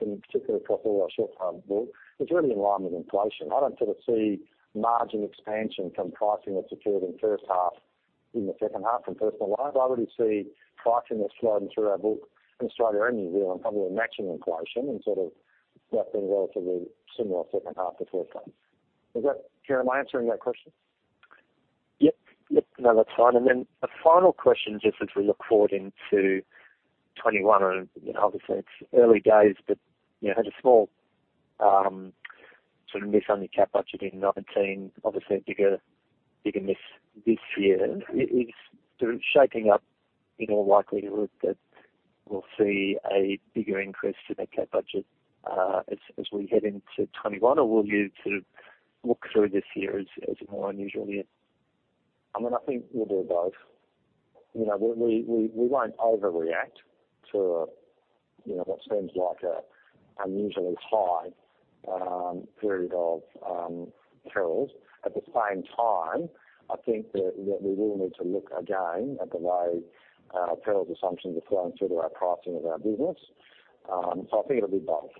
in particular to our short-term book, is really in line with inflation. I don't sort of see margin expansion from pricing that's occurred in first half in the second half in personal lines. I really see pricing that's flowing through our book in Australia and New Zealand probably matching inflation and sort of that being relatively similar second half to first half. Ciaran, am I answering that question? Yep. Yep. No, that's fine. Then a final question, just as we look forward into 2021, and obviously it's early days, but you had a small sort of miss on your cap budget in 2019. Obviously a bigger miss this year. Is sort of shaping up in all likelihood that we'll see a bigger increase to that cap budget, as we head into 2021? Will you sort of look through this year as a more unusual year? I mean, I think we'll do both. We won't overreact to what seems like a unusually high period of perils. At the same time, I think that we will need to look again at the way our perils assumptions are flowing through to our pricing of our business. I think it'll be both.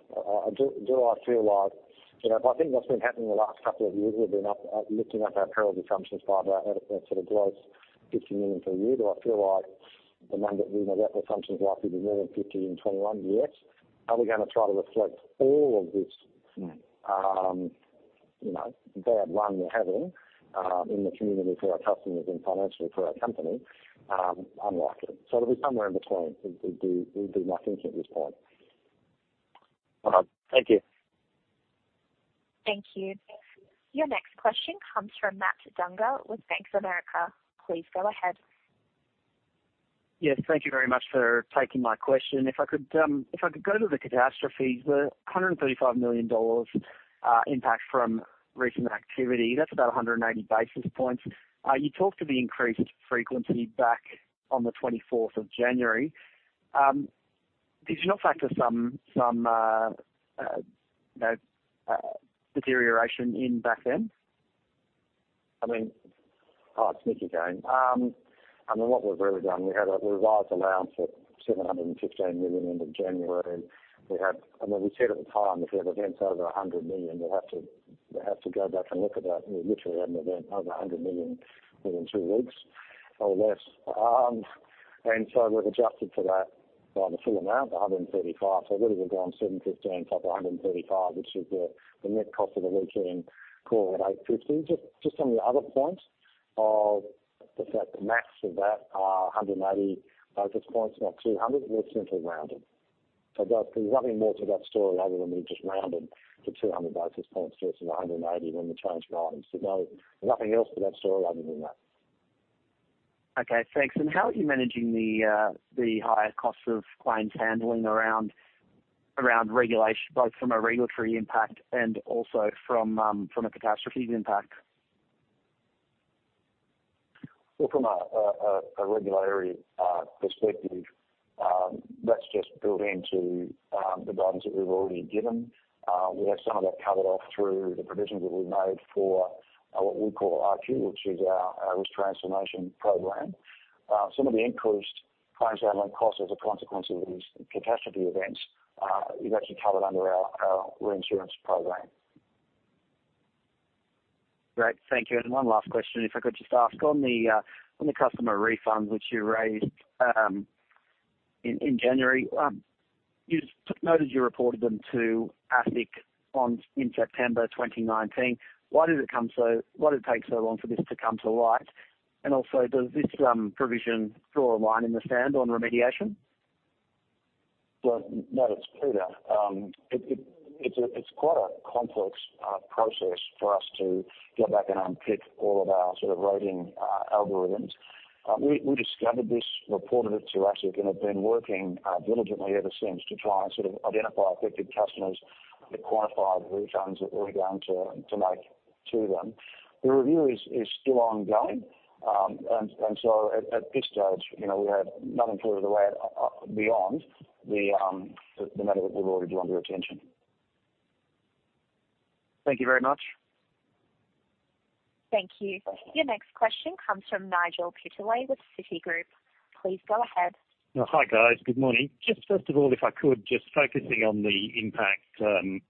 If I think what's been happening the last couple of years, we've been up, lifting up our peril assumptions by about at a sort of gross 50 million per year. Do I feel like the moment we know that assumption is likely to be more than 50 million in 2021? Yes. Are we going to try to reflect all of this? bad run we're having, in the community for our customers and financially for our company? Unlikely. It'll be somewhere in between. We'll do my thinking at this point. All right. Thank you. Thank you. Your next question comes from Matt Dunger with Bank of America. Please go ahead. Yes, thank you very much for taking my question. If I could go to the catastrophes, the 135 million dollars impact from recent activity, that's about 180 basis points. You talked of the increased frequency back on the 24th of January. Did you not factor some deterioration in back then? It's Nick again. What we've really done, we had a revised allowance of 715 million end of January. We said at the time, if we have events over 100 million, we'll have to go back and look at that. We literally had an event over 100 million within two weeks or less. We've adjusted for that by the full amount, 135 million. Really we've gone 715 million cover 135 million, which is the net cost of the weekend call at 850 million. Just on the other point of the fact the maths of that are 180 basis points, not 200 basis points, we've simply rounded. There's nothing more to that story other than we just rounded to 200 basis points so it's 180 basis points when we changed the items. No, nothing else to that story other than that. Okay, thanks. How are you managing the higher costs of claims handling both from a regulatory impact and also from a catastrophes impact? Well, from a regulatory perspective, that's just built into the guidance that we've already given. We have some of that covered off through the provisions that we've made for what we call RQ, which is our risk transformation program. Some of the increased claims handling costs as a consequence of these catastrophe events is actually covered under our reinsurance program. Great. Thank you. One last question, if I could just ask. On the customer refunds which you raised in January, you noted you reported them to ASIC in September 2019. Why did it take so long for this to come to light? Also, does this provision draw a line in the sand on remediation? Well, no, it's Peter. It's quite a complex process for us to go back and unpick all of our sort of rating algorithms. We discovered this, reported it to ASIC, and have been working diligently ever since to try and sort of identify affected customers and quantify the refunds that we're going to make to them. The review is still ongoing. At this stage we have nothing further to add beyond the matter that we've already drawn to attention. Thank you very much. Thank you. Your next question comes from Nigel Pittaway with Citigroup. Please go ahead. Hi, guys. Good morning. Just first of all, if I could, just focusing on the impact,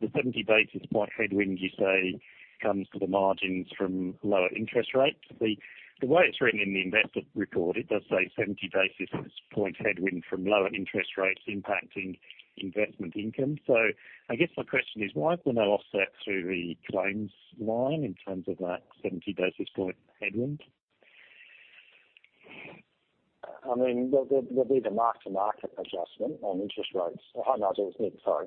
the 70 basis point headwind you say comes to the margins from lower interest rates. The way it's written in the investor report, it does say 70 basis points headwind from lower interest rates impacting investment income. I guess my question is, why is there no offset through the claims line in terms of that 70 basis point headwind? There'll be the mark-to-market adjustment on interest rates. Hi, Nigel, it's Nick. Sorry.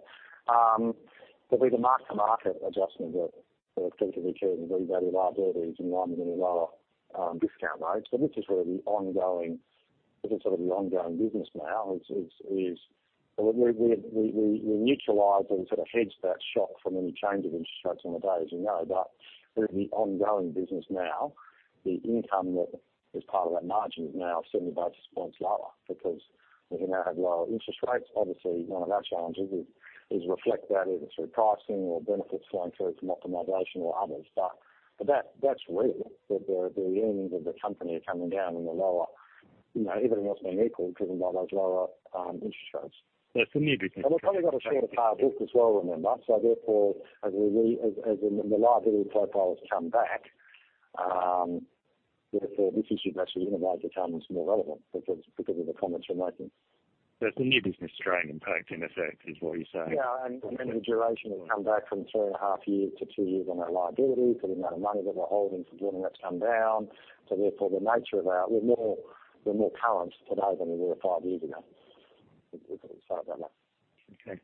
There'll be the mark-to-market adjustment that particularly carries revalued liabilities and one with a lower discount rate. This is really the ongoing business now is We neutralize or sort of hedge that shock from any change of interest rates on the day, as you know. We're in the ongoing business now. The income that is part of that margin is now 70 basis points lower because we now have lower interest rates. Obviously, one of our challenges is reflect that either through pricing or benefits flowing through from optimization or others. That's real, that the earnings of the company are coming down and they're lower, everything else being equal, driven by those lower interest rates. It's a new business. We've probably got a shorter card book as well, remember. Therefore, as the liability profiles come back, this issue is actually in a way becomes more relevant because of the comments you're making. It's a new business strain impact, in effect, is what you're saying? The duration will come back from two and a half years to two years on our liability for the amount of money that we're holding for dividend come down. Therefore, we're more current today than we were five years ago, if we could put it that way. Okay.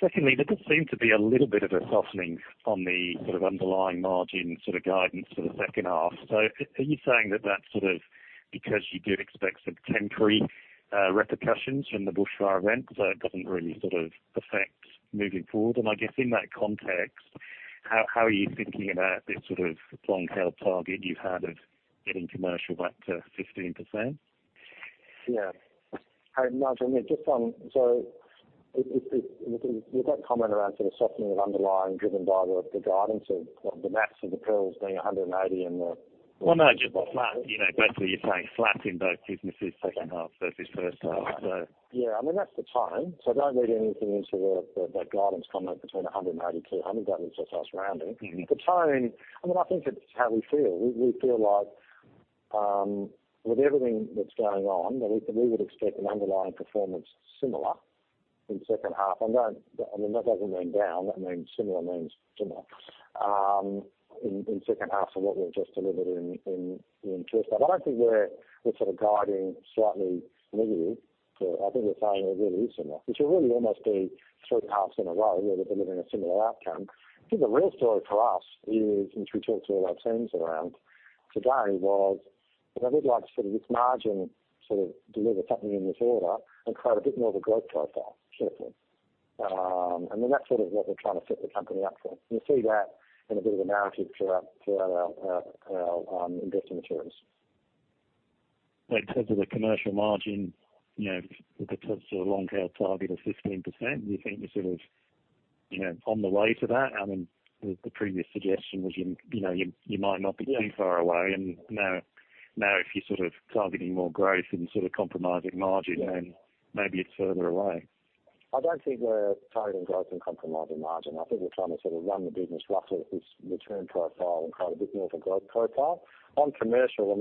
Secondly, there does seem to be a little bit of a softening on the underlying margin guidance for the second half. Are you saying that that's because you do expect some temporary repercussions from the bushfire event that doesn't really affect moving forward? I guess in that context, how are you thinking about this long-tail target you had of getting commercial back to 15%? Yeah. Nigel, Nick, we've got comment around sort of softening of underlying driven by the guidance of the maths of the perils being 180. Well, no, just flat. Basically, you're saying flat in both businesses second half versus first half. Yeah, that's the tone. Don't read anything into that guidance comment between 180-200. That was just us rounding. The tone, I think it's how we feel. We feel like with everything that's going on, that we would expect an underlying performance similar in second half. That doesn't mean down. Similar means similar in second half to what we've just delivered in first. I don't think we're sort of guiding slightly negative. I think we're saying it really is similar, which will really almost be three halves in a row where we're delivering a similar outcome. I think the real story for us is, which we talked to all our teams around today, was I would like sort of this margin sort of deliver something in this order and create a bit more of a growth profile, simply. That's sort of what we're trying to set the company up for. You'll see that in a bit of a narrative throughout our investor materials. In terms of the commercial margin, with the long-term target of 15%, do you think you're on the way to that? The previous suggestion was you might not be too far away, and now if you're targeting more growth and compromising margin, then maybe it's further away. I don't think we're targeting growth and compromising margin. I think we're trying to run the business roughly at this return profile and create a bit more of a growth profile. On commercial,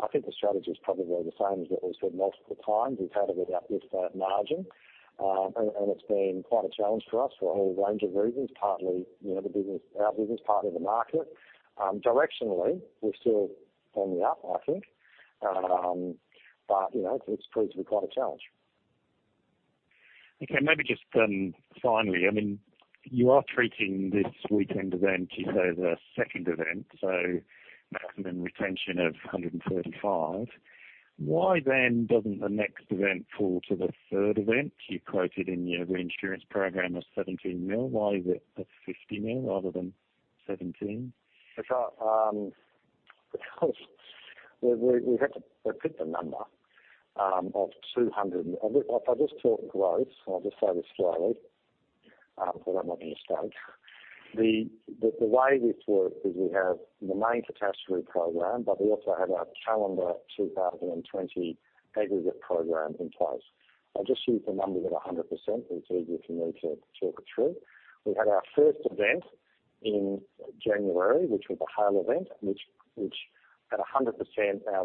I think the strategy is probably the same as what we've said multiple times. We've had a bit of uplift that margin, and it's been quite a challenge for us for a whole range of reasons, partly our business, partly the market. Directionally, we're still on the up, I think. It's proved to be quite a challenge. Okay, maybe just finally. You are treating this weekend event, you say, the second event, so maximum retention of 135 million. Why doesn't the next event fall to the third event you quoted in your reinsurance program of 17 million? Why is it at 50 million rather than 17 million? We had to pick the number of 200. If I just talk growth, I'll just say this slowly so I'm not misunderstood. The way this works is we have the main catastrophe program, we also have our calendar 2020 aggregate program in place. I'll just use the number that 100%, which is easier for me to talk it through. We had our first event in January, which was a hail event, which at 100%, our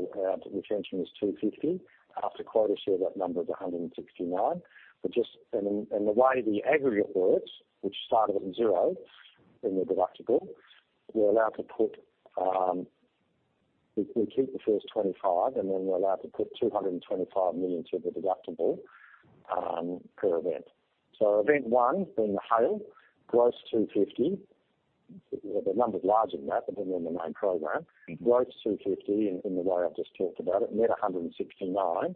retention was 250 million. After quota share, that number is 169 million. The way the aggregate works, which started from zero in the deductible, We keep the first 25 million, then we're allowed to put 225 million to the deductible per event. Event one, being the hail, gross 250 million. The number is larger than that, in the main program, gross 250 million in the way I've just talked about it, net 169 million.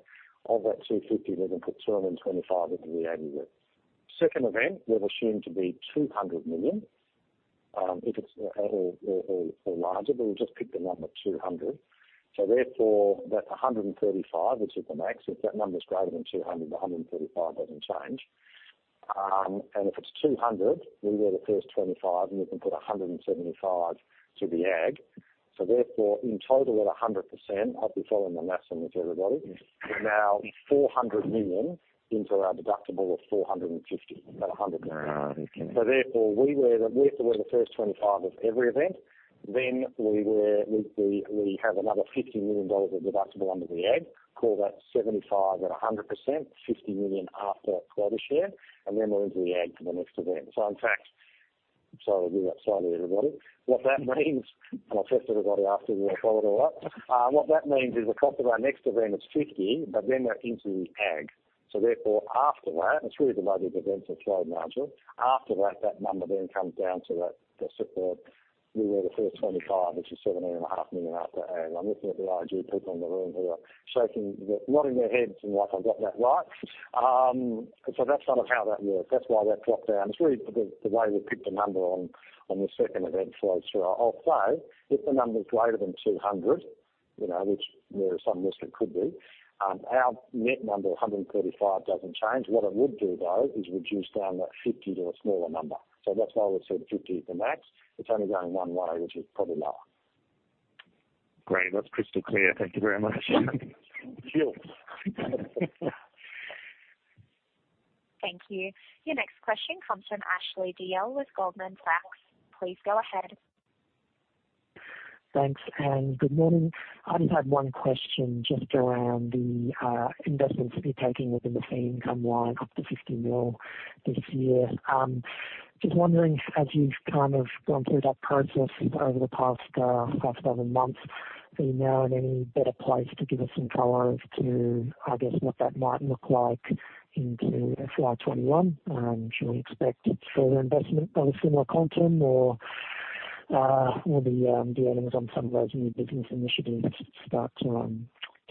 Of that 250 million, we can put 225 million into the aggregate. Second event, we've assumed to be 200 million. If it's at all or larger, we'll just pick the number 200 million. That's 135 million, which is the max. If that number is greater than 200, the 135 million doesn't change. If it's 200 million, we wear the first 25 million, and we can put 175 million to the ag. In total at 100%, I'll be following the math in with everybody, we're now 400 million into our deductible of 450 million at 100%. Okay. We wear the first 25 million of every event. We have another 50 million dollars of deductible under the ag. Call that 75 million at 100%, 50 million after quota share, we're into the ag for the next event. Sorry to be that side of everybody. What that means, I'll test everybody after we follow it all up. What that means is the cost of our next event is 50 million, we're into the ag. After that, it's really the way the events unfold, Nigel. After that number comes down to the support. We wear the first 25 million, which is 17.5 million after ag. I'm looking at the IAG people in the room who are shaking, nodding their heads I've got that right. That's kind of how that works. That's why that's locked down. It's really the way we've picked the number on the second event flows through. I'll say, if the number is greater than 200 million, which there is some risk it could be, our net number 135 million doesn't change. What it would do, though, is reduce down that 50 million to a smaller number. That's why we've said 50 million is the max. It's only going one way, which is probably lower. Great. That's crystal clear. Thank you very much. Sure. Thank you. Your next question comes from Ashley Dalziell with Goldman Sachs. Please go ahead. Thanks, good morning. I just had one question just around the investments that you're taking within the fee income line up to 50 million this year. Just wondering, as you've gone through that process over the past 12 months, are you now in any better place to give us some color as to, I guess, what that might look like into FY 2021? Should we expect it's further investment, obviously more quantum, will the dealings on some of those new business initiatives start to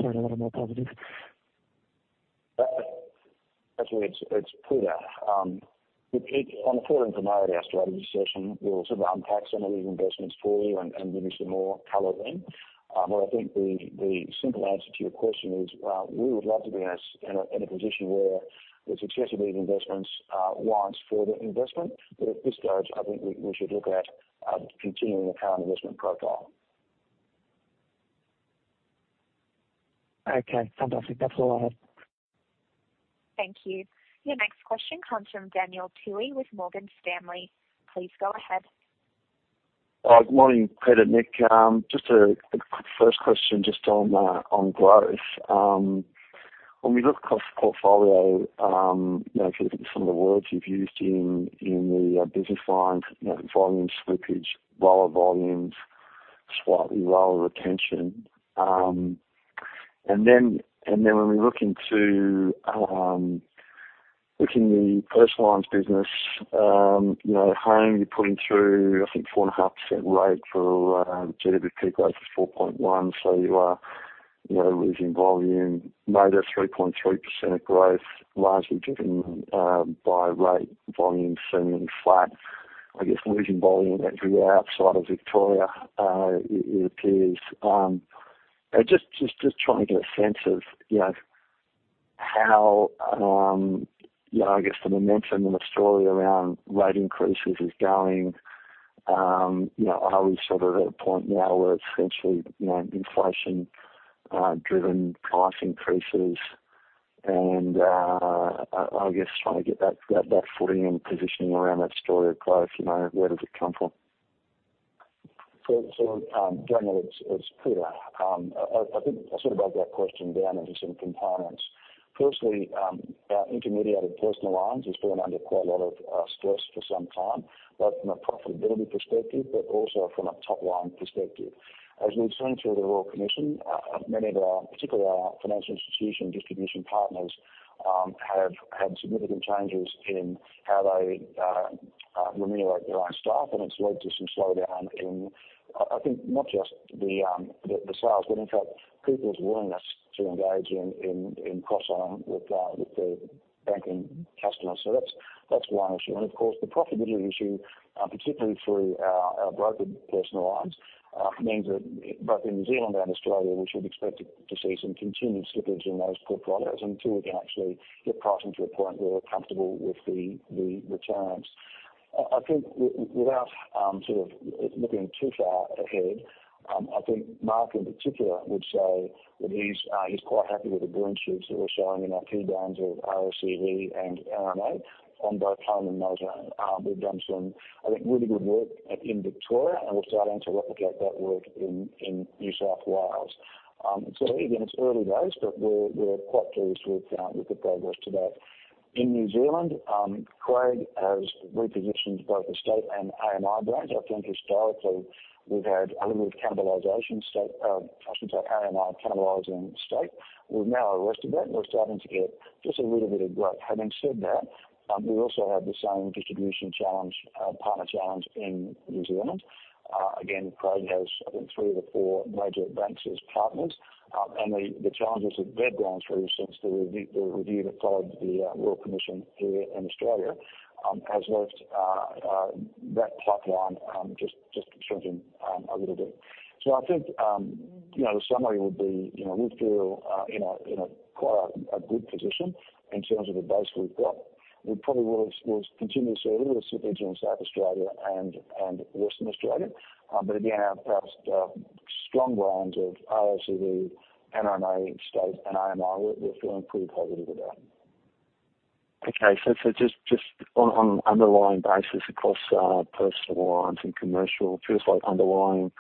turn a little more positive? Ashley, it's Peter. On the full information at our strategy session, we'll sort of unpack some of these investments for you and give you some more color then. I think the simple answer to your question is, we would love to be in a position where the success of these investments warrants further investment. At this stage, I think we should look at continuing the current investment profile. Okay, fantastic. That's all I had. Thank you. Your next question comes from Daniel Toohey with Morgan Stanley. Please go ahead. Morning, Peter, Nick. Just a quick first question just on growth. When we look across the portfolio, if you look at some of the words you've used in the business lines, volume slippage, lower volumes, slightly lower retention. When we look into the personal lines business, home, you're putting through, I think 4.5% rate for GWP growth is 4.1%, so you are losing volume. Motor, 3.3% growth, largely driven by rate volume seemingly flat. I guess losing volume everywhere outside of Victoria, it appears. Just trying to get a sense of how the momentum and the story around rate increases is going. Are we at a point now where it's essentially inflation-driven price increases? I guess trying to get that footing and positioning around that story of growth, where does it come from? Daniel, it's Peter. I think I'll break that question down into some components. Firstly, our intermediated personal lines has been under quite a lot of stress for some time, both from a profitability perspective, but also from a top-line perspective. As we've seen through the Royal Commission, many of our, particularly our financial institution distribution partners, have had significant changes in how they remunerate their own staff, and it's led to some slowdown in, I think, not just the sales, but in fact, people's willingness to engage in cross-selling with their banking customers. That's one issue. Of course, the profitability issue, particularly through our brokered personal lines, means that both in New Zealand and Australia, we should expect to see some continued slippage in those book volumes until we can actually get pricing to a point where we're comfortable with the returns. I think without looking too far ahead, I think Mark, in particular, would say that he's quite happy with the green shoots that we're showing in our key brands of RACV and NRMA on both home and motor. We've done some, I think, really good work in Victoria, and we're starting to replicate that work in New South Wales. It's early days, but we're quite pleased with the progress to date. In New Zealand, Craig has repositioned both the State and AMI brands. I think historically we've had a little bit of cannibalization, AMI cannibalizing State. We've now arrested that, and we're starting to get just a little bit of growth. Having said that, we also have the same distribution challenge, partner challenge in New Zealand. Craig has, I think, three of the four major banks as partners. The challenges that they've gone through since the review that followed the Royal Commission here in Australia has left that pipeline just shrinking a little bit. I think the summary would be, we feel in quite a good position in terms of the base we've got. We probably will continue to see a little bit of slippage in South Australia and Western Australia. Again, our strong brands of RACV, NRMA, State, and AMI, we're feeling pretty positive about. Okay. Just on an underlying basis across personal lines and commercial, it feels like underlying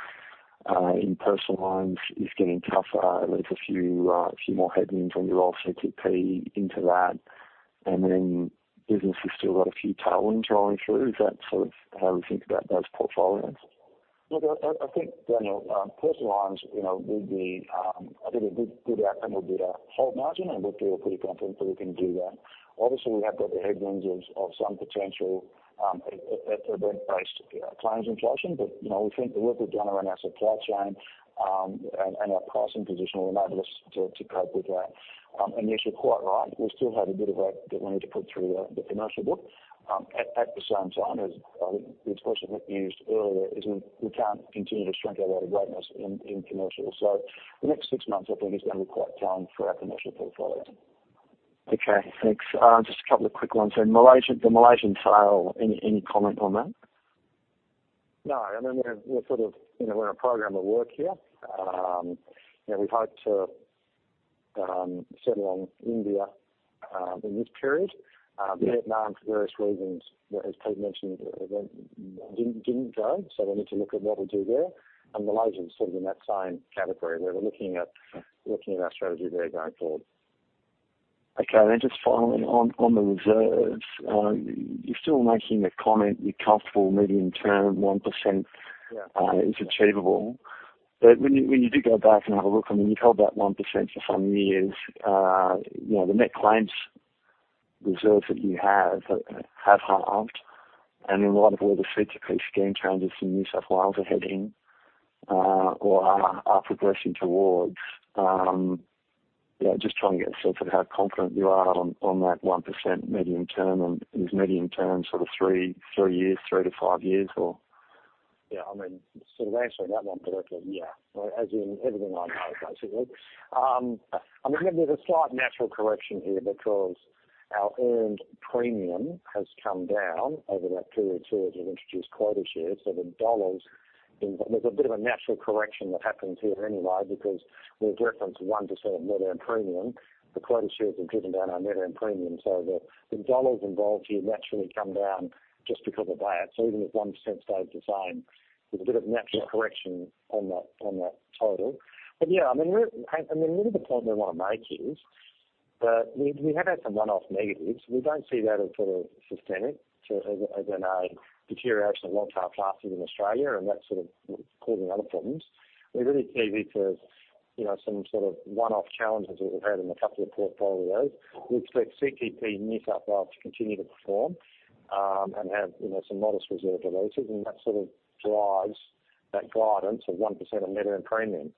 in personal lines is getting tougher. There's a few more headwinds when you roll CTP into that. Then businesses still got a few tailwinds rolling through. Is that how we think about those portfolios? Look, I think, Daniel, personal lines I think a good outcome would be to hold margin, and we feel pretty confident that we can do that. Obviously, we have got the headwinds of some potential event-based claims inflation. We think the work we've done around our supply chain and our pricing position will enable us to cope with that. Yes, you're quite right, we still have a bit of work that we need to put through the commercial book. At the same time, as I think the expression you used earlier is we can't continue to shrink our way to greatness in commercial. The next six months, I think, is going to be quite challenging for our commercial portfolio. Okay, thanks. Just a couple of quick ones then. The Malaysian sale, any comment on that? No, we're in a program of work here. We've hoped to settle on India in this period. Vietnam, for various reasons, as Craig mentioned, didn't go, so we need to look at what we'll do there. Malaysia's sort of in that same category, where we're looking at our strategy there going forward. Just finally on the reserves. You're still making the comment you're comfortable medium-term 1% is achievable. When you do go back and have a look, I mean, you've held that 1% for some years. The net claims reserves that you have halved. In light of all the CTP scheme changes that New South Wales are heading or are progressing towards, just trying to get a sense of how confident you are on that 1% medium-term, and is medium-term sort of three years, three to five years or? Yeah, I mean, sort of answering that one directly, yeah. As in everything I know, basically. I mean, there's a slight natural correction here because our earned premium has come down over that period too, as we've introduced quota shares. There's a bit of a natural correction that happens here anyway because we reference 1% of net earned premium. The quota shares have driven down our net earned premium. The AUD involved here naturally come down just because of that. Even if 1% stays the same, there's a bit of natural correction on that total. Yeah, I mean, really the point we want to make is that we have had some one-off negatives. We don't see that as sort of systemic as in a deterioration of long-tail classes in Australia, and that sort of causing other problems. We really see this as some sort of one-off challenges that we've had in a couple of portfolios. We expect CTP in New South Wales to continue to perform and have some modest reserve releases, and that sort of drives that guidance of 1% of net earned premium.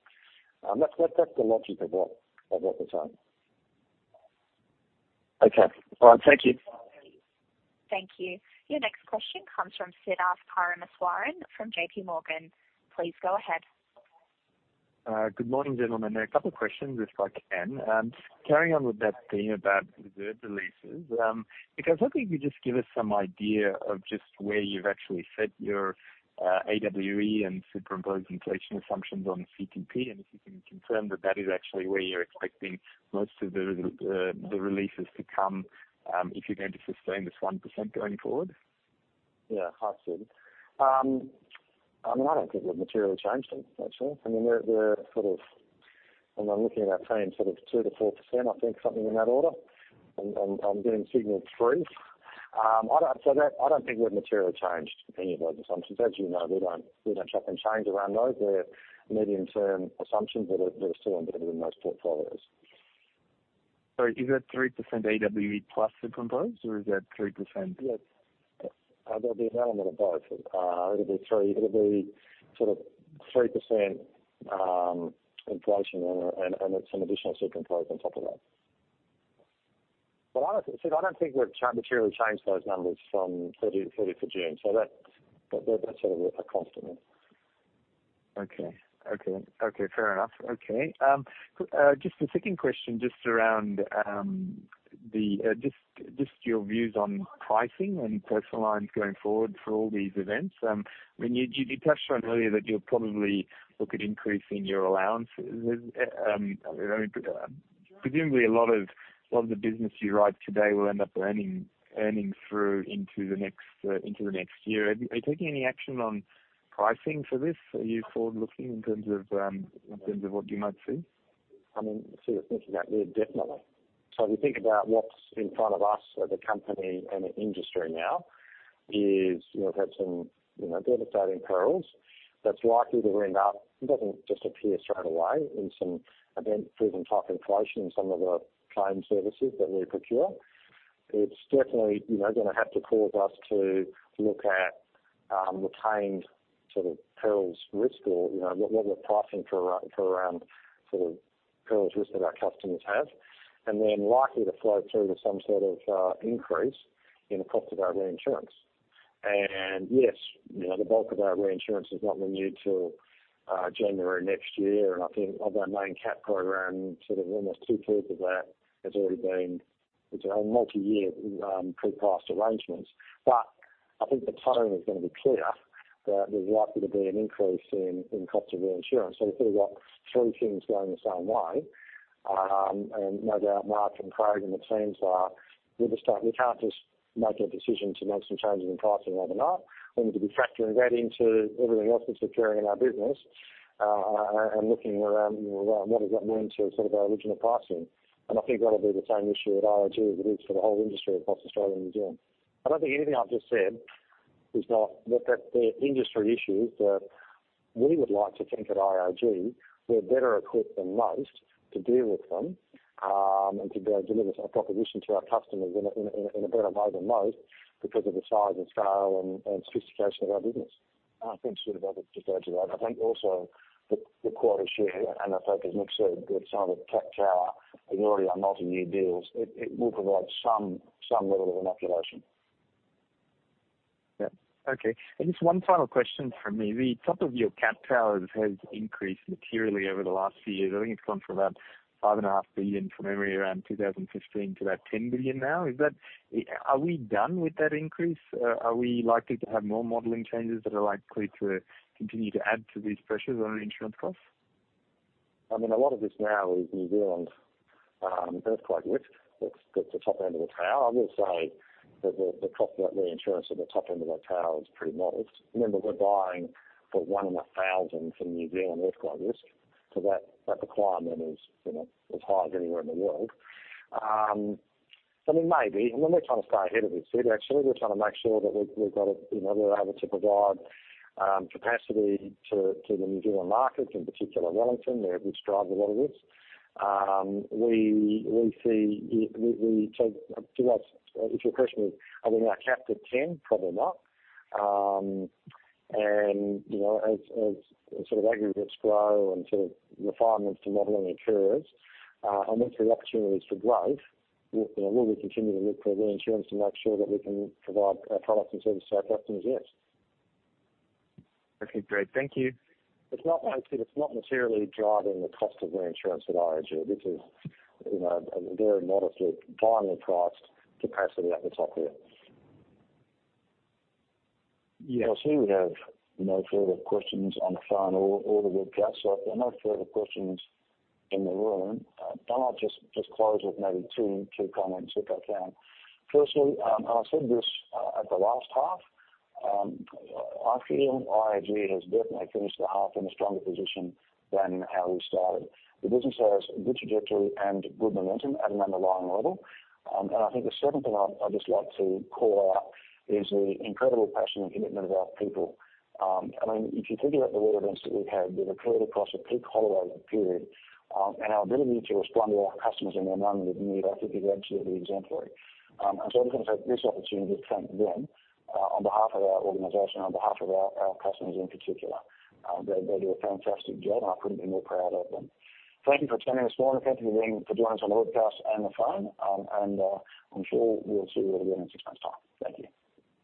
That's the logic of what we're saying. Okay. All right. Thank you. Thank you. Your next question comes from Siddharth Parameswaran from JPMorgan. Please go ahead. Good morning, gentlemen. A couple questions if I can. Carrying on with that theme about reserve releases, I was hoping you could just give us some idea of just where you've actually set your AWE and superimposed inflation assumptions on CTP, and if you can confirm that that is actually where you're expecting most of the releases to come if you're going to sustain this 1% going forward. Yeah. Hi, Sid. I don't think we've materially changed them, actually. I'm looking at that saying sort of 2%-4%, I think, something in that order. I'm getting signals three. I don't think we've materially changed any of those assumptions. As you know, we don't chop and change around those. They're medium-term assumptions that are still embedded in most portfolios. Sorry, is that 3% AWE plus superimposed, or is that 3%? Yes. There'll be an element of both. It'll be 3% inflation and then some additional superimposed on top of that. Honestly, Sid, I don't think we've materially changed those numbers from 30th June. That's sort of a constant. Okay. Fair enough. Just the second question, just around your views on pricing and personal lines going forward for all these events. You touched on earlier that you'll probably look at increasing your allowance. Presumably, a lot of the business you write today will end up earning through into the next year. Are you taking any action on pricing for this? Are you forward-looking in terms of what you might see? Sid, the thing is that we're definitely, if we think about what's in front of us as a company and an industry now is, we've had some devastating Natural Perils that's likely to end up, it doesn't just appear straight away, in some event-driven type inflation in some of the claim services that we procure. It's definitely going to have to cause us to look at retained sort of Natural Perils risk or level of pricing for around Natural Perils risk that our customers have, and then likely to flow through to some sort of increase in the cost of our reinsurance. Yes, the bulk of our reinsurance is not renewed till January next year, and I think of our main cat program, sort of almost two-thirds of that has already been multi-year pre-priced arrangements. I think the tone is going to be clear that there is likely to be an increase in cost of reinsurance. We've sort of got three things going the same way. No doubt Mark and Craig and the teams, we can't just make a decision to make some changes in pricing overnight. We need to be factoring that into everything else that's occurring in our business, and looking around what does that mean to sort of our original pricing. I think that'll be the same issue at IAG as it is for the whole industry across Australia and New Zealand. I don't think anything I've just said is not, they're industry issues that we would like to think at IAG we're better equipped than most to deal with them, and to be able to deliver some proposition to our customers in a better way than most because of the size and scale and sophistication of our business. I don't think Sid I've exaggerated. I think also the quality issue, and I think as Nick said, with some of the catastrophe tower, we already are multi-year deals. It will provide some level of inoculation. Yeah. Okay. Just one final question from me. The top of your catastrophe towers has increased materially over the last few years. I think it's gone from about 5.5 billion, from memory, around 2015 to about 10 billion now. Are we done with that increase? Are we likely to have more modeling changes that are likely to continue to add to these pressures on insurance costs? A lot of this now is New Zealand earthquake risk that's the top end of the tower. I would say that the cost of that reinsurance at the top end of that tower is pretty modest. Remember, we're buying for one in a thousand for New Zealand earthquake risk. That requirement is as high as anywhere in the world. Maybe. We're trying to stay ahead of this, Sid, actually. We're trying to make sure that we're able to provide capacity to the New Zealand markets, in particular Wellington, which drives a lot of this. If your question is, are we now capped at 10, probably not. As sort of aggregates grow and sort of refinements to modeling occurs, and therefore opportunities for growth, will we continue to look for reinsurance to make sure that we can provide our products and services to our customers? Yes. Okay, great. Thank you. No, Sid, it's not materially driving the cost of reinsurance at IAG. This is a very modestly finely priced capacity at the top here. Yeah. I see we have no further questions on the phone or the webcast, so if there are no further questions in the room, I might just close with maybe two comments, if I can. Firstly, I said this at the last half, I feel IAG has definitely finished the half in a stronger position than how we started. The business has good trajectory and good momentum at an underlying level. I think the second thing I'd just like to call out is the incredible passion and commitment of our people. If you think about the weather events that we've had, they've occurred across a peak holiday period, and our ability to respond to our customers in their moment of need I think is absolutely exemplary. I just want to take this opportunity to thank them on behalf of our organization, on behalf of our customers in particular. They do a fantastic job, and I couldn't be more proud of them. Thank you for attending this morning. Thank you for joining us on the webcast and the phone. I'm sure we'll see you all again in six months' time. Thank you.